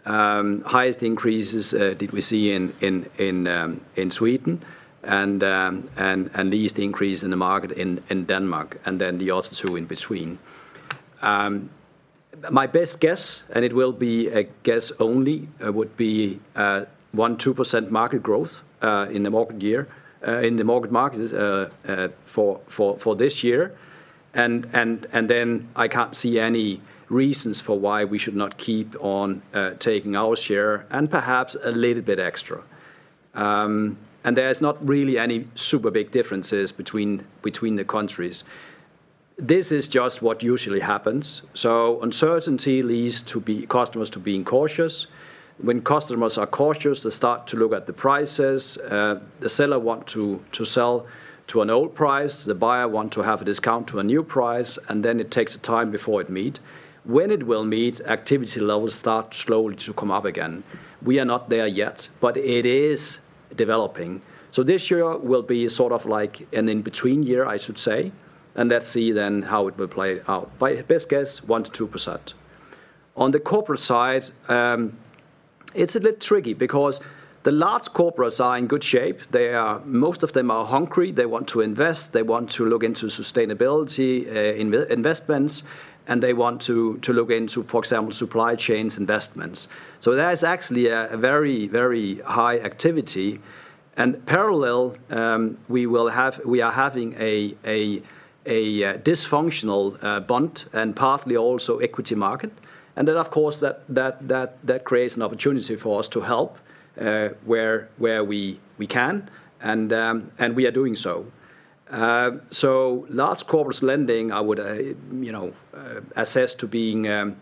Highest increases did we see in Sweden and least increase in the market in Denmark, and then the other two in between. My best guess, and it will be a guess only, would be 1%-2% market growth in the mortgage market for this year. I can't see any reasons for why we should not keep on taking our share and perhaps a little bit extra. There's not really any super big differences between the countries. This is just what usually happens. Uncertainty leads to customers to being cautious. When customers are cautious, they start to look at the prices. The seller want to sell to an old price. The buyer want to have a discount to a new price. It takes time before it meet. When it will meet, activity levels start slowly to come up again. We are not there yet, but it is developing. This year will be sort of like an in-between year, I should say. Let's see how it will play out. My best guess, 1%-2%. On the corporate side, it's a bit tricky because the large corporates are in good shape. Most of them are hungry. They want to invest, they want to look into sustainability investments, and they want to look into, for example, supply chains investments. There is actually a very, very high activity. Parallel, we are having a dysfunctional bond and partly also equity market. Of course that creates an opportunity for us to help where we can and we are doing so. Large corporates lending, I would, you know, assess to being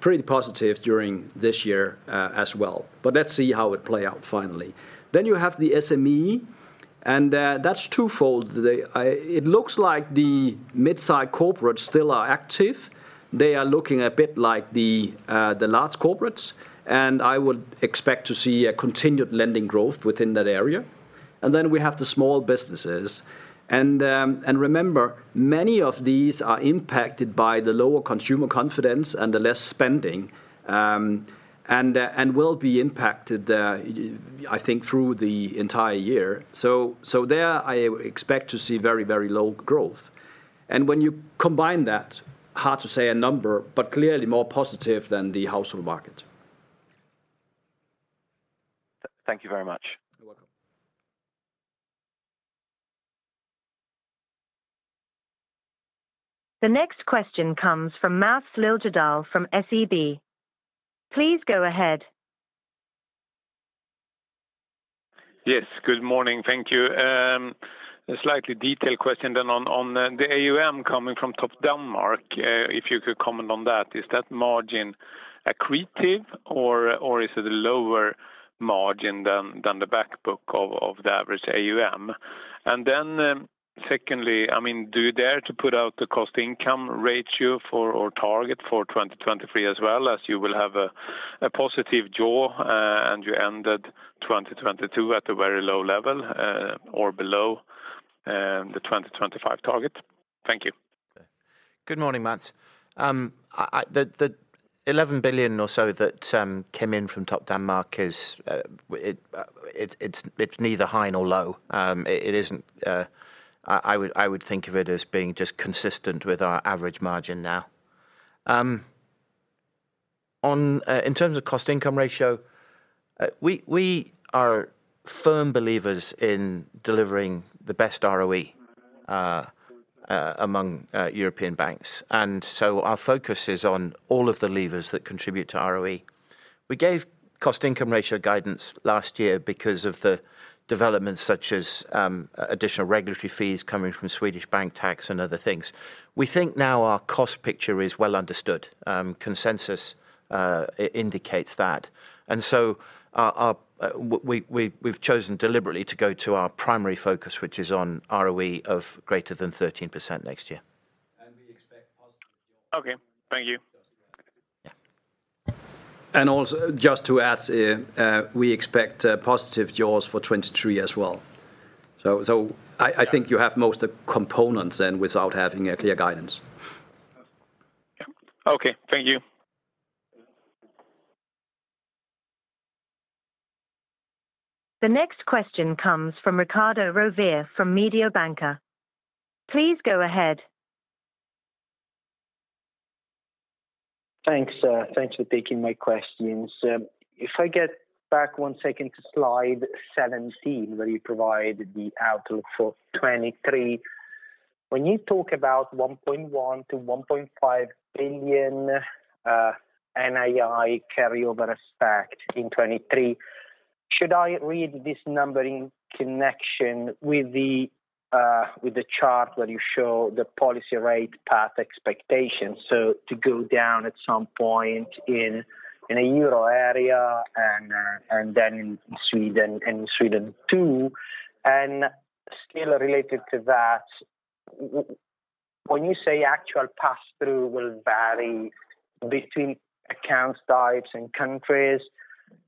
pretty positive during this year as well. Let's see how it play out finally. You have the SME, that's twofold. It looks like the mid-size corporates still are active. They are looking a bit like the large corporates, and I would expect to see a continued lending growth within that area. Then we have the small businesses. Remember, many of these are impacted by the lower consumer confidence and the less spending, and will be impacted, I think through the entire year. There, I expect to see very, very low growth. When you combine that, hard to say a number, but clearly more positive than the household market. Thank you very much. You're welcome. The next question comes from Mats Liljedahl from SEB. Please go ahead. Good morning. Thank you. A slightly detailed question then on the AUM coming from Topdanmark. If you could comment on that. Is that margin accretive or is it a lower margin than the back book of the average AUM? Then, secondly, I mean, do you dare to put out the cost-income ratio or target for 2023 as well, as you will have a positive jaw, and you ended 2022 at a very low level, or below the 2025 target? Thank you. Good morning, Mats. The 11 billion or so that came in from Topdanmark is neither high nor low. It isn't. I would think of it as being just consistent with our average margin now. In terms of cost-to-income ratio, we are firm believers in delivering the best ROE among European banks. Our focus is on all of the levers that contribute to ROE. We gave cost-to-income ratio guidance last year because of the developments such as additional regulatory fees coming from Swedish bank tax and other things. We think now our cost picture is well understood. Consensus indicates that. We've chosen deliberately to go to our primary focus, which is on ROE of greater than 13% next year. We expect positive jaws. Okay. Thank you. Also just to add, we expect positive jaws for 2023 as well. I think you have most components then without having a clear guidance. Yeah. Okay. Thank you. The next question comes from Riccardo Rovere from Mediobanca. Please go ahead. Thanks, thanks for taking my questions. If I get back one second to slide 17, where you provide the outlook for 2023. When you talk about 1.1 billion-1.5 billion NII carryovers back in 2023, should I read this number in connection with the chart where you show the policy rate path expectations, so to go down at some point in a euro area and then in Sweden, in Sweden too? Still related to that, when you say actual pass-through will vary between accounts types and countries,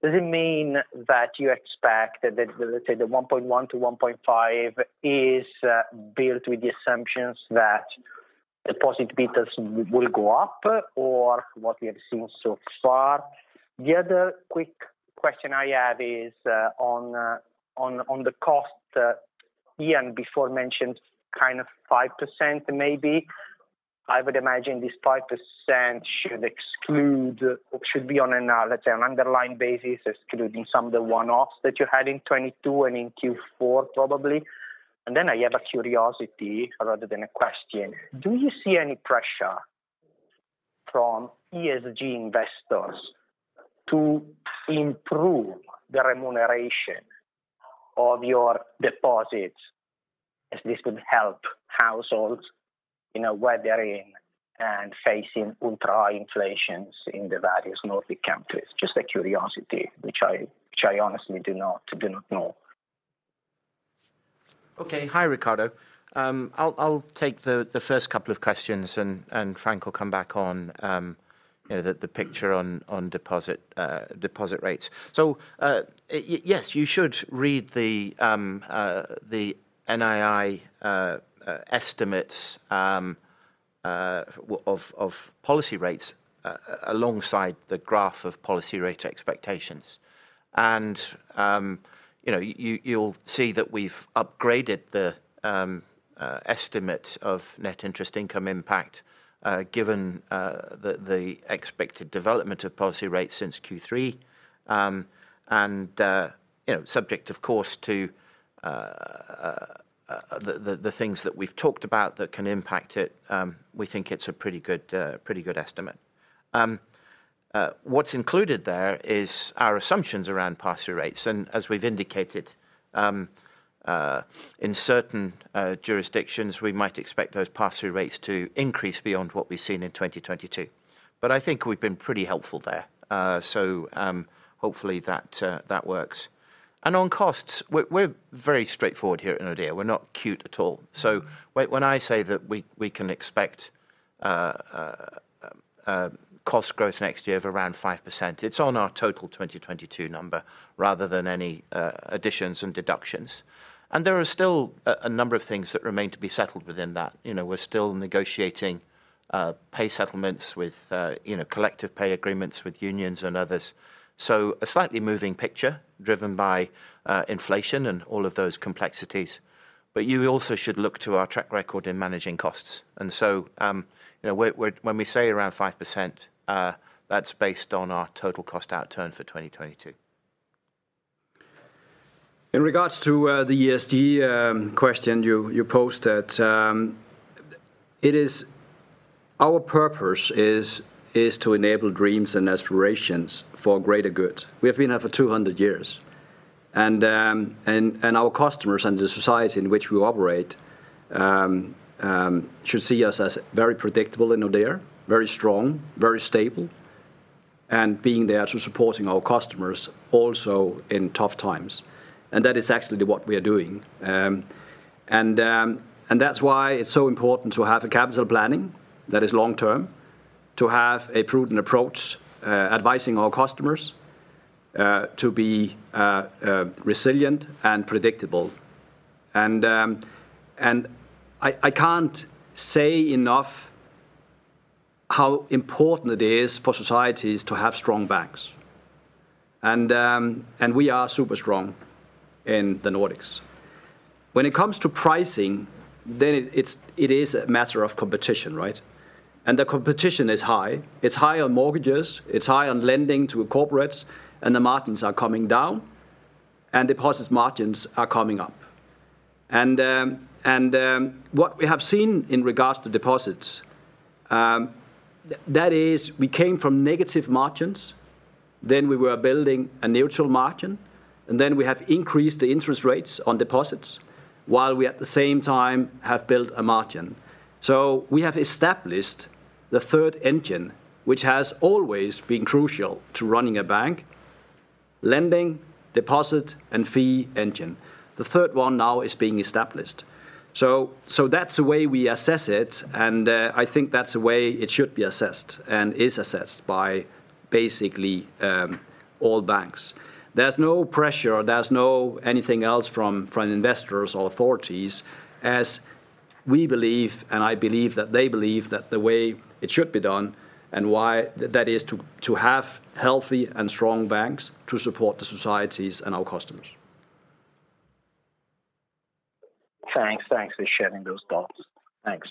does it mean that you expect that, let's say the 1.1-1.5 is built with the assumptions that deposit betas will go up or what we have seen so far? The other quick question I have is on the cost. Ian before mentioned kind of 5% maybe. I would imagine this 5% should exclude or should be on an, let's say, an underlying basis, excluding some of the one-offs that you had in 2022 and in Q4 probably. I have a curiosity rather than a question. Do you see any pressure from ESG investors to improve the remuneration of your deposits as this would help households in a way they're in and facing ultra inflations in the various Nordic countries? Just a curiosity, which I honestly do not know. Okay. Hi, Riccardo. I'll take the first couple of questions and Frank will come back on, you know, the picture on deposit rates. Yes, you should read the NII estimates of policy rates alongside the graph of policy rate expectations. You know, you'll see that we've upgraded the estimate of net interest income impact given the expected development of policy rates since Q3. You know, subject of course to the things that we've talked about that can impact it, we think it's a pretty good estimate. What's included there is our assumptions around pass-through rates. As we've indicated, in certain jurisdictions, we might expect those pass-through rates to increase beyond what we've seen in 2022. I think we've been pretty helpful there. Hopefully that works. On costs, we're very straightforward here at Nordea. We're not cute at all. When I say that we can expect cost growth next year of around 5%, it's on our total 2022 number rather than any additions and deductions. There are still a number of things that remain to be settled within that. You know, we're still negotiating pay settlements with, you know, collective pay agreements with unions and others. A slightly moving picture driven by inflation and all of those complexities. You also should look to our track record in managing costs. You know, when we say around 5%, that's based on our total cost outturn for 2022. In regards to the ESG question you posed at, it is our purpose to enable dreams and aspirations for greater good. We have been here for 200 years. Our customers and the society in which we operate should see us as very predictable in Nordea, very strong, very stable, and being there to supporting our customers also in tough times. That is actually what we are doing. That's why it's so important to have a capital planning that is long term, to have a prudent approach advising our customers to be resilient and predictable. I can't say enough how important it is for societies to have strong banks. We are super strong in the Nordics. When it comes to pricing, then it's a matter of competition, right? The competition is high. It's high on mortgages, it's high on lending to corporates, and the margins are coming down, deposits margins are coming up. What we have seen in regards to deposits, that is we came from negative margins, then we were building a neutral margin, and then we have increased the interest rates on deposits while we at the same time have built a margin. We have established the third engine, which has always been crucial to running a bank, lending, deposit, and fee engine. The third one now is being established. That's the way we assess it, I think that's the way it should be assessed and is assessed by basically all banks. There's no pressure, there's no anything else from investors or authorities as we believe, and I believe that they believe that the way it should be done and why that is to have healthy and strong banks to support the societies and our customers. Thanks. Thanks for sharing those thoughts. Thanks.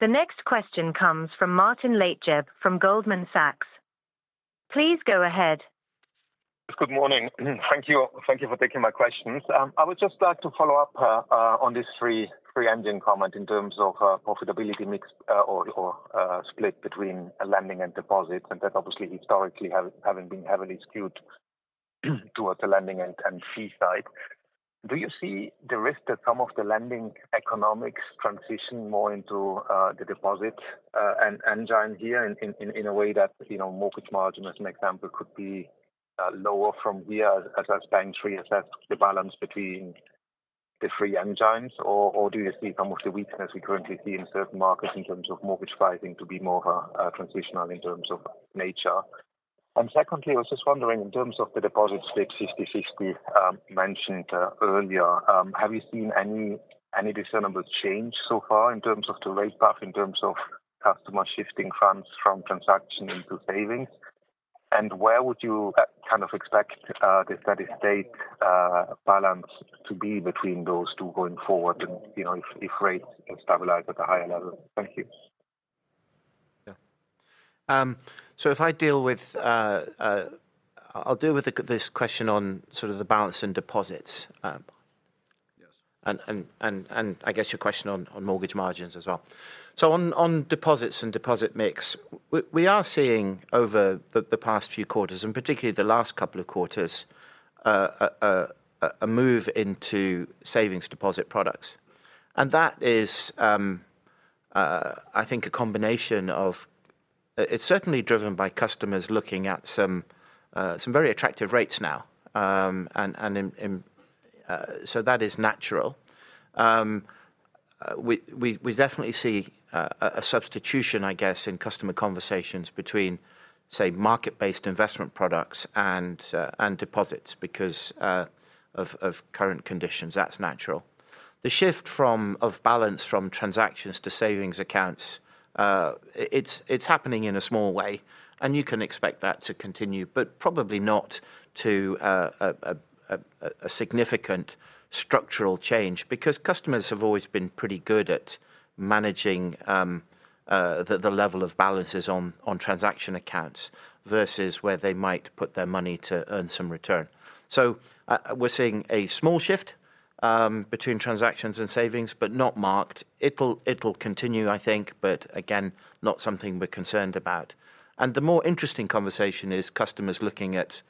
The next question comes from Martin Leitgeb from Goldman Sachs. Please go ahead. Good morning. Thank you. Thank you for taking my questions. I would just like to follow up on this three-engine comment in terms of profitability mix or split between lending and deposits, and that obviously historically having been heavily skewed towards the lending and fee side. Do you see the risk that some of the lending economics transition more into the deposit engine here in a way that, you know, mortgage margin, as an example, could be lower from here as banks reassess the balance between the three engines? Or do you see some of the weakness we currently see in certain markets in terms of mortgage pricing to be more transitional in terms of nature? secondly, I was just wondering, in terms of the deposit split 50/60, mentioned earlier, have you seen any discernible change so far in terms of the rate path, in terms of customer shifting funds from transaction into savings? Where would you kind of expect the steady-state balance to be between those two going forward and, you know, if rates stabilize at a higher level? Thank you. Yeah. I'll deal with this question on sort of the balance and deposits. Yes. I guess your question on mortgage margins as well. On deposits and deposit mix, we are seeing over the past few quarters, and particularly the last couple of quarters, a move into savings deposit products. That is I think it's certainly driven by customers looking at some very attractive rates now. That is natural. We definitely see a substitution, I guess, in customer conversations between, say, market-based investment products and deposits because of current conditions. That's natural. The shift of balance from transactions to savings accounts, it's happening in a small way, and you can expect that to continue, but probably not to a significant structural change because customers have always been pretty good at managing the level of balances on transaction accounts versus where they might put their money to earn some return. We're seeing a small shift between transactions and savings, but not marked. It'll continue, I think, but again, not something we're concerned about. The more interesting conversation is customers looking at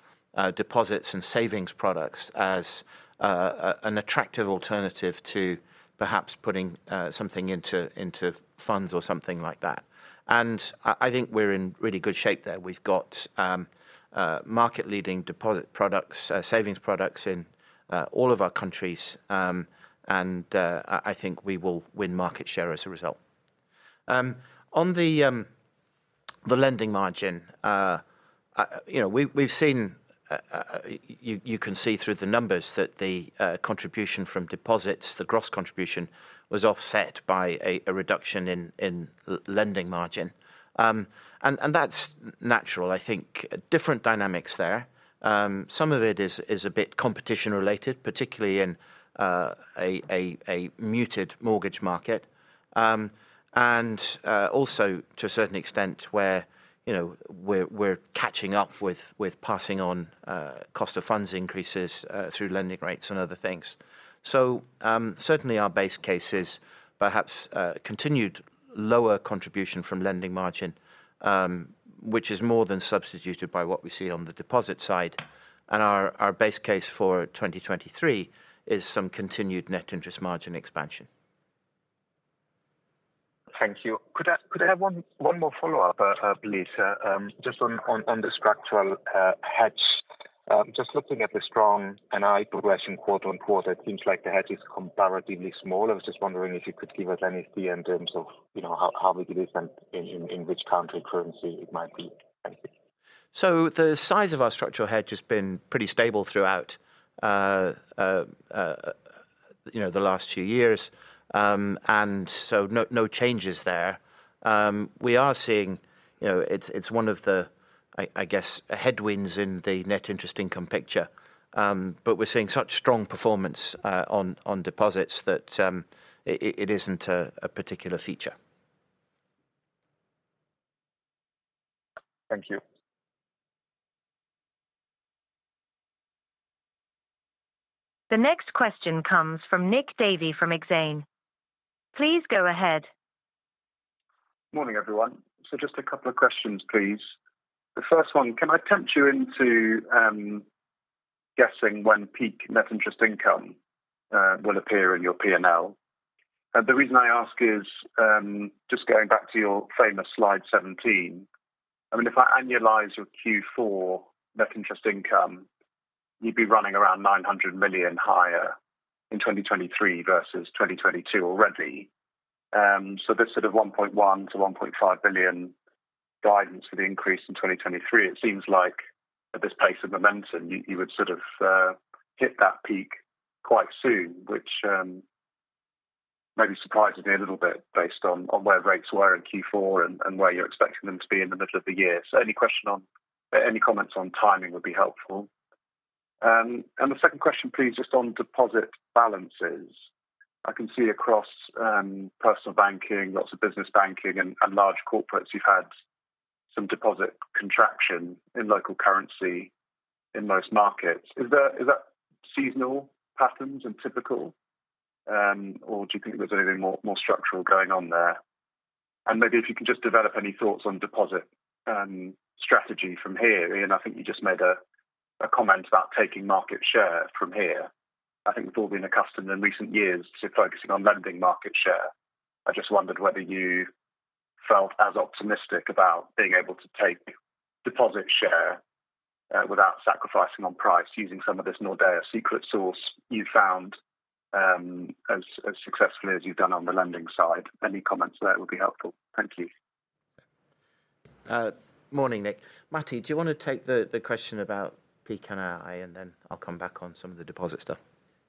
deposits and savings products as an attractive alternative to perhaps putting something into into funds or something like that. I think we're in really good shape there. We've got market leading deposit products, savings products in all of our countries. I think we will win market share as a result. On the lending margin, you know, we've seen. You can see through the numbers that the contribution from deposits, the gross contribution was offset by a reduction in lending margin. That's natural. I think different dynamics there. Some of it is a bit competition related, particularly in a muted mortgage market. Also to a certain extent where, you know, we're catching up with passing on cost of funds increases through lending rates and other things. Certainly our base case is perhaps continued lower contribution from lending margin, which is more than substituted by what we see on the deposit side. Our base case for 2023 is some continued net interest margin expansion. Thank you. Could I have one more follow-up, please? Just on the structural hedge. Just looking at the strong NII progression quarter on quarter, it seems like the hedge is comparatively small. I was just wondering if you could give us any view in terms of, you know, how big it is and in which country currency it might be. Thank you. The size of our structural hedge has been pretty stable throughout, you know, the last few years. No changes there. We are seeing, you know, it's one of the, I guess, headwinds in the net interest income picture. We're seeing such strong performance on deposits that it isn't a particular feature. Thank you. The next question comes from Nick Davey from Exane. Please go ahead. Morning, everyone. Just a couple of questions, please. The first one, can I tempt you into guessing when peak net interest income will appear in your P&L? The reason I ask is just going back to your famous slide 17. I mean, if I annualize your Q4 net interest income, you'd be running around 900 million higher in 2023 versus 2022 already. This sort of 1.1 billion-1.5 billion guidance for the increase in 2023, it seems like at this pace of momentum, you would sort of hit that peak quite soon, which maybe surprises me a little bit based on where rates were in Q4 and where you're expecting them to be in the middle of the year. Any comments on timing would be helpful. The second question, please, just on deposit balances. I can see across Personal Banking, lots of Business Banking and Large Corporates, you've had some deposit contraction in local currency in most markets. Is that seasonal patterns and typical? Do you think there's anything more structural going on there? Maybe if you can just develop any thoughts on deposit strategy from here. Ian, I think you just made a comment about taking market share from here. I think we've all been accustomed in recent years to focusing on lending market share. I just wondered whether you felt as optimistic about being able to take deposit share, without sacrificing on price using some of this Nordea secret sauce you found, as successfully as you've done on the lending side. Any comments there would be helpful. Thank you. Morning, Nick. Matti, do you wanna take the question about peak NII, and then I'll come back on some of the deposit stuff?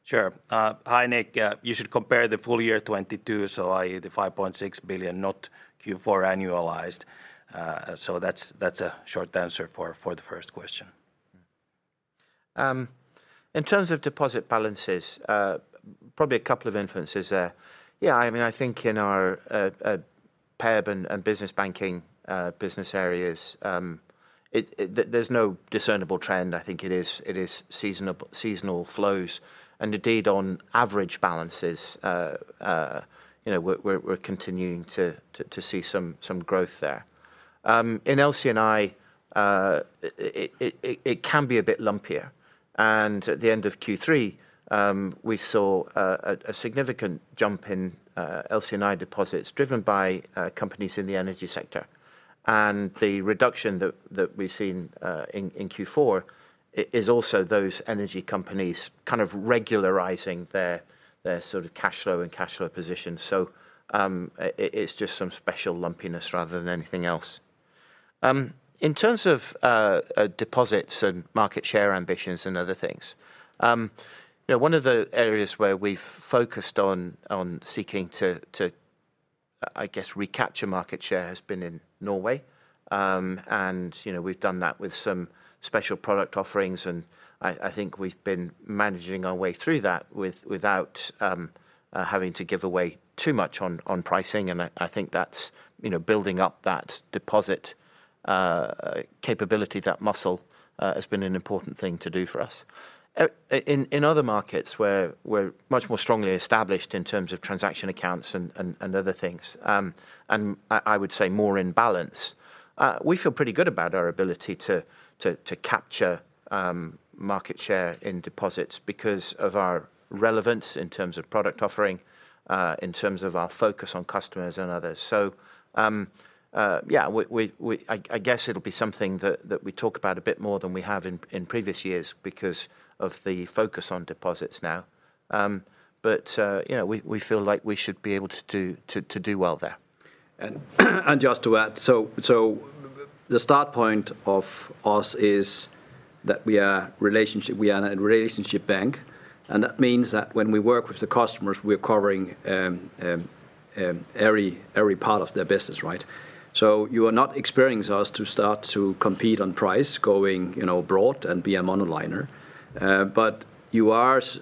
Sure. Hi, Nick. You should compare the full year 2022, so i.e. the 5.6 billion, not Q4 annualized. That's a short answer for the first question. In terms of deposit balances, probably a couple of influences there. Yeah, I mean, I think in our PB and business banking business areas, there's no discernible trend. I think it is seasonal flows. Indeed, on average balances, you know, we're continuing to see some growth there. In LC&I, it can be a bit lumpier. At the end of Q3, we saw a significant jump in LC&I deposits driven by companies in the energy sector. The reduction that we've seen in Q4 is also those energy companies kind of regularizing their cash flow and cash flow position. It's just some special lumpiness rather than anything else. In terms of deposits and market share ambitions and other things, you know, one of the areas where we've focused on seeking to, I guess, recapture market share has been in Norway. You know, we've done that with some special product offerings, and I think we've been managing our way through that without having to give away too much on pricing. I think that's, you know, building up that deposit, capability, that muscle, has been an important thing to do for us. In other markets where we're much more strongly established in terms of transaction accounts and other things, and I would say more in balance, we feel pretty good about our ability to capture market share in deposits because of our relevance in terms of product offering, in terms of our focus on customers and others. Yeah, we, I guess it'll be something that we talk about a bit more than we have in previous years because of the focus on deposits now. You know, we feel like we should be able to do well there. Just to add, the start point of us is that we are a relationship bank, and that means that when we work with the customers, we're covering every part of their business, right? You are not experiencing us to start to compete on price going, you know, broad and be a monoliner. But you are seeing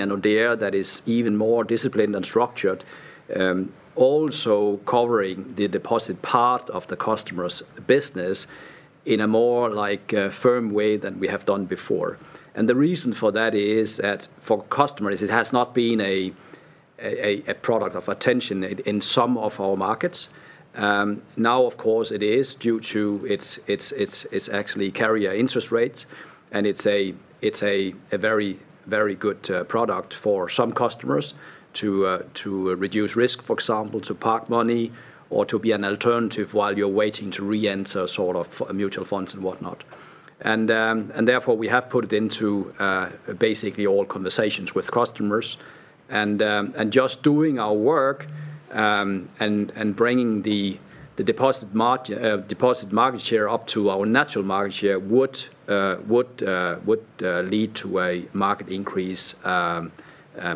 an Nordea that is even more disciplined and structured, also covering the deposit part of the customer's business in a more like firm way than we have done before. The reason for that is that for customers, it has not been a product of attention in some of our markets. Now, of course, it is due to its actually carrier interest rates, and it's a very, very good product for some customers to reduce risk, for example, to park money or to be an alternative while you're waiting to re-enter sort of mutual funds and whatnot. Therefore, we have put it into basically all conversations with customers. Just doing our work, and bringing the deposit market share up to our natural market share would lead to a market increase, a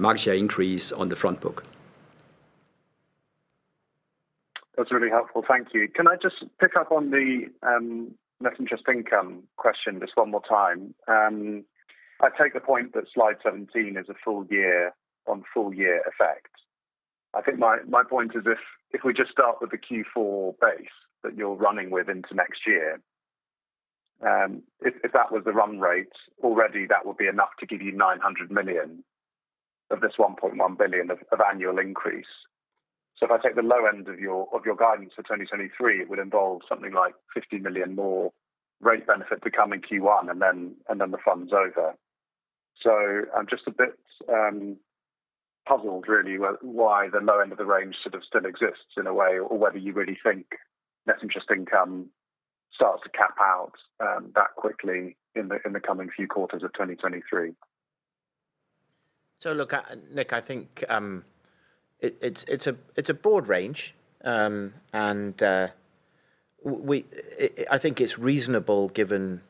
market share increase on the front book. That's really helpful. Thank you. Can I just pick up on the net interest income question just 1 more time? I take the point that slide 17 is a full-year on full-year effect. I think my point is if we just start with the Q4 base that you're running with into next year, if that was the run rate, already that would be enough to give you 900 million of this 1.1 billion of annual increase. If I take the low end of your guidance for 2023, it would involve something like 50 million more rate benefit to come in Q1 and then the fun's over. I'm just a bit puzzled really why the low end of the range sort of still exists in a way, or whether you really think net interest income starts to cap out that quickly in the coming few quarters of 2023. Look, Nick, I think it's a broad range. I think it's reasonable given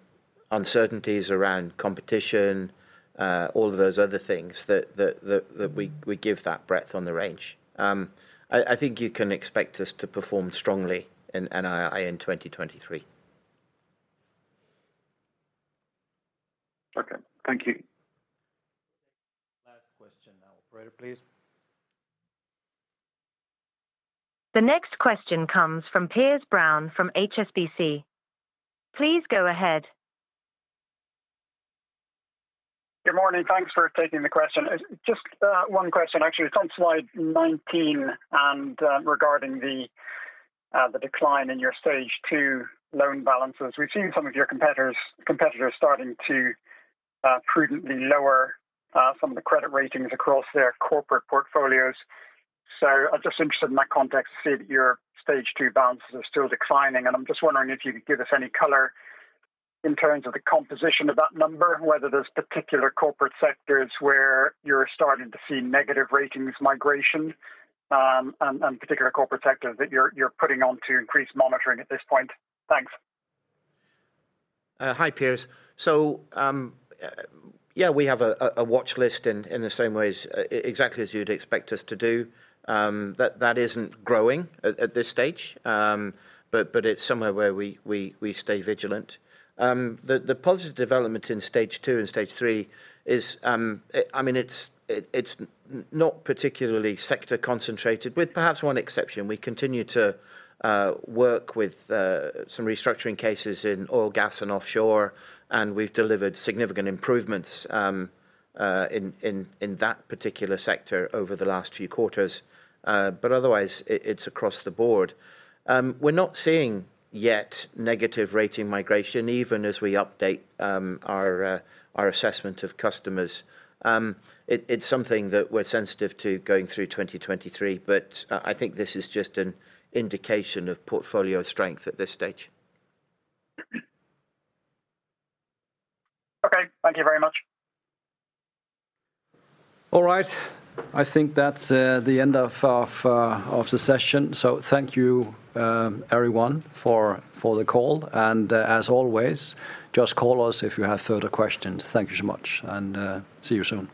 uncertainties around competition, all of those other things that we give that breadth on the range. I think you can expect us to perform strongly in 2023. Okay, thank you. Last question now. Operator, please. The next question comes from Piers Brown from HSBC. Please go ahead. Good morning. Thanks for taking the question. Just one question, actually. It's on slide 19 and regarding the decline in your Stage 2 loan balances. We've seen some of your competitors starting to prudently lower some of the credit ratings across their corporate portfolios. I'm just interested in that context to see that your Stage 2 balances are still declining. I'm just wondering if you could give us any color in terms of the composition of that number and whether there's particular corporate sectors where you're starting to see negative ratings migration, and particular corporate sectors that you're putting on to increased monitoring at this point. Thanks. Hi, Piers. Yeah, we have a watchlist in the same way as exactly as you'd expect us to do. That isn't growing at this stage, but it's somewhere where we stay vigilant. The positive development in Stage 2 and Stage 3 is, I mean, it's not particularly sector concentrated, with perhaps one exception. We continue to work with some restructuring cases in oil, gas, and offshore, and we've delivered significant improvements in that particular sector over the last few quarters. Otherwise, it's across the board. We're not seeing yet negative rating migration, even as we update our assessment of customers. It's something that we're sensitive to going through 2023, but I think this is just an indication of portfolio strength at this stage. Okay. Thank you very much. All right. I think that's the end of the session. Thank you, everyone for the call. As always, just call us if you have further questions. Thank you so much, and see you soon.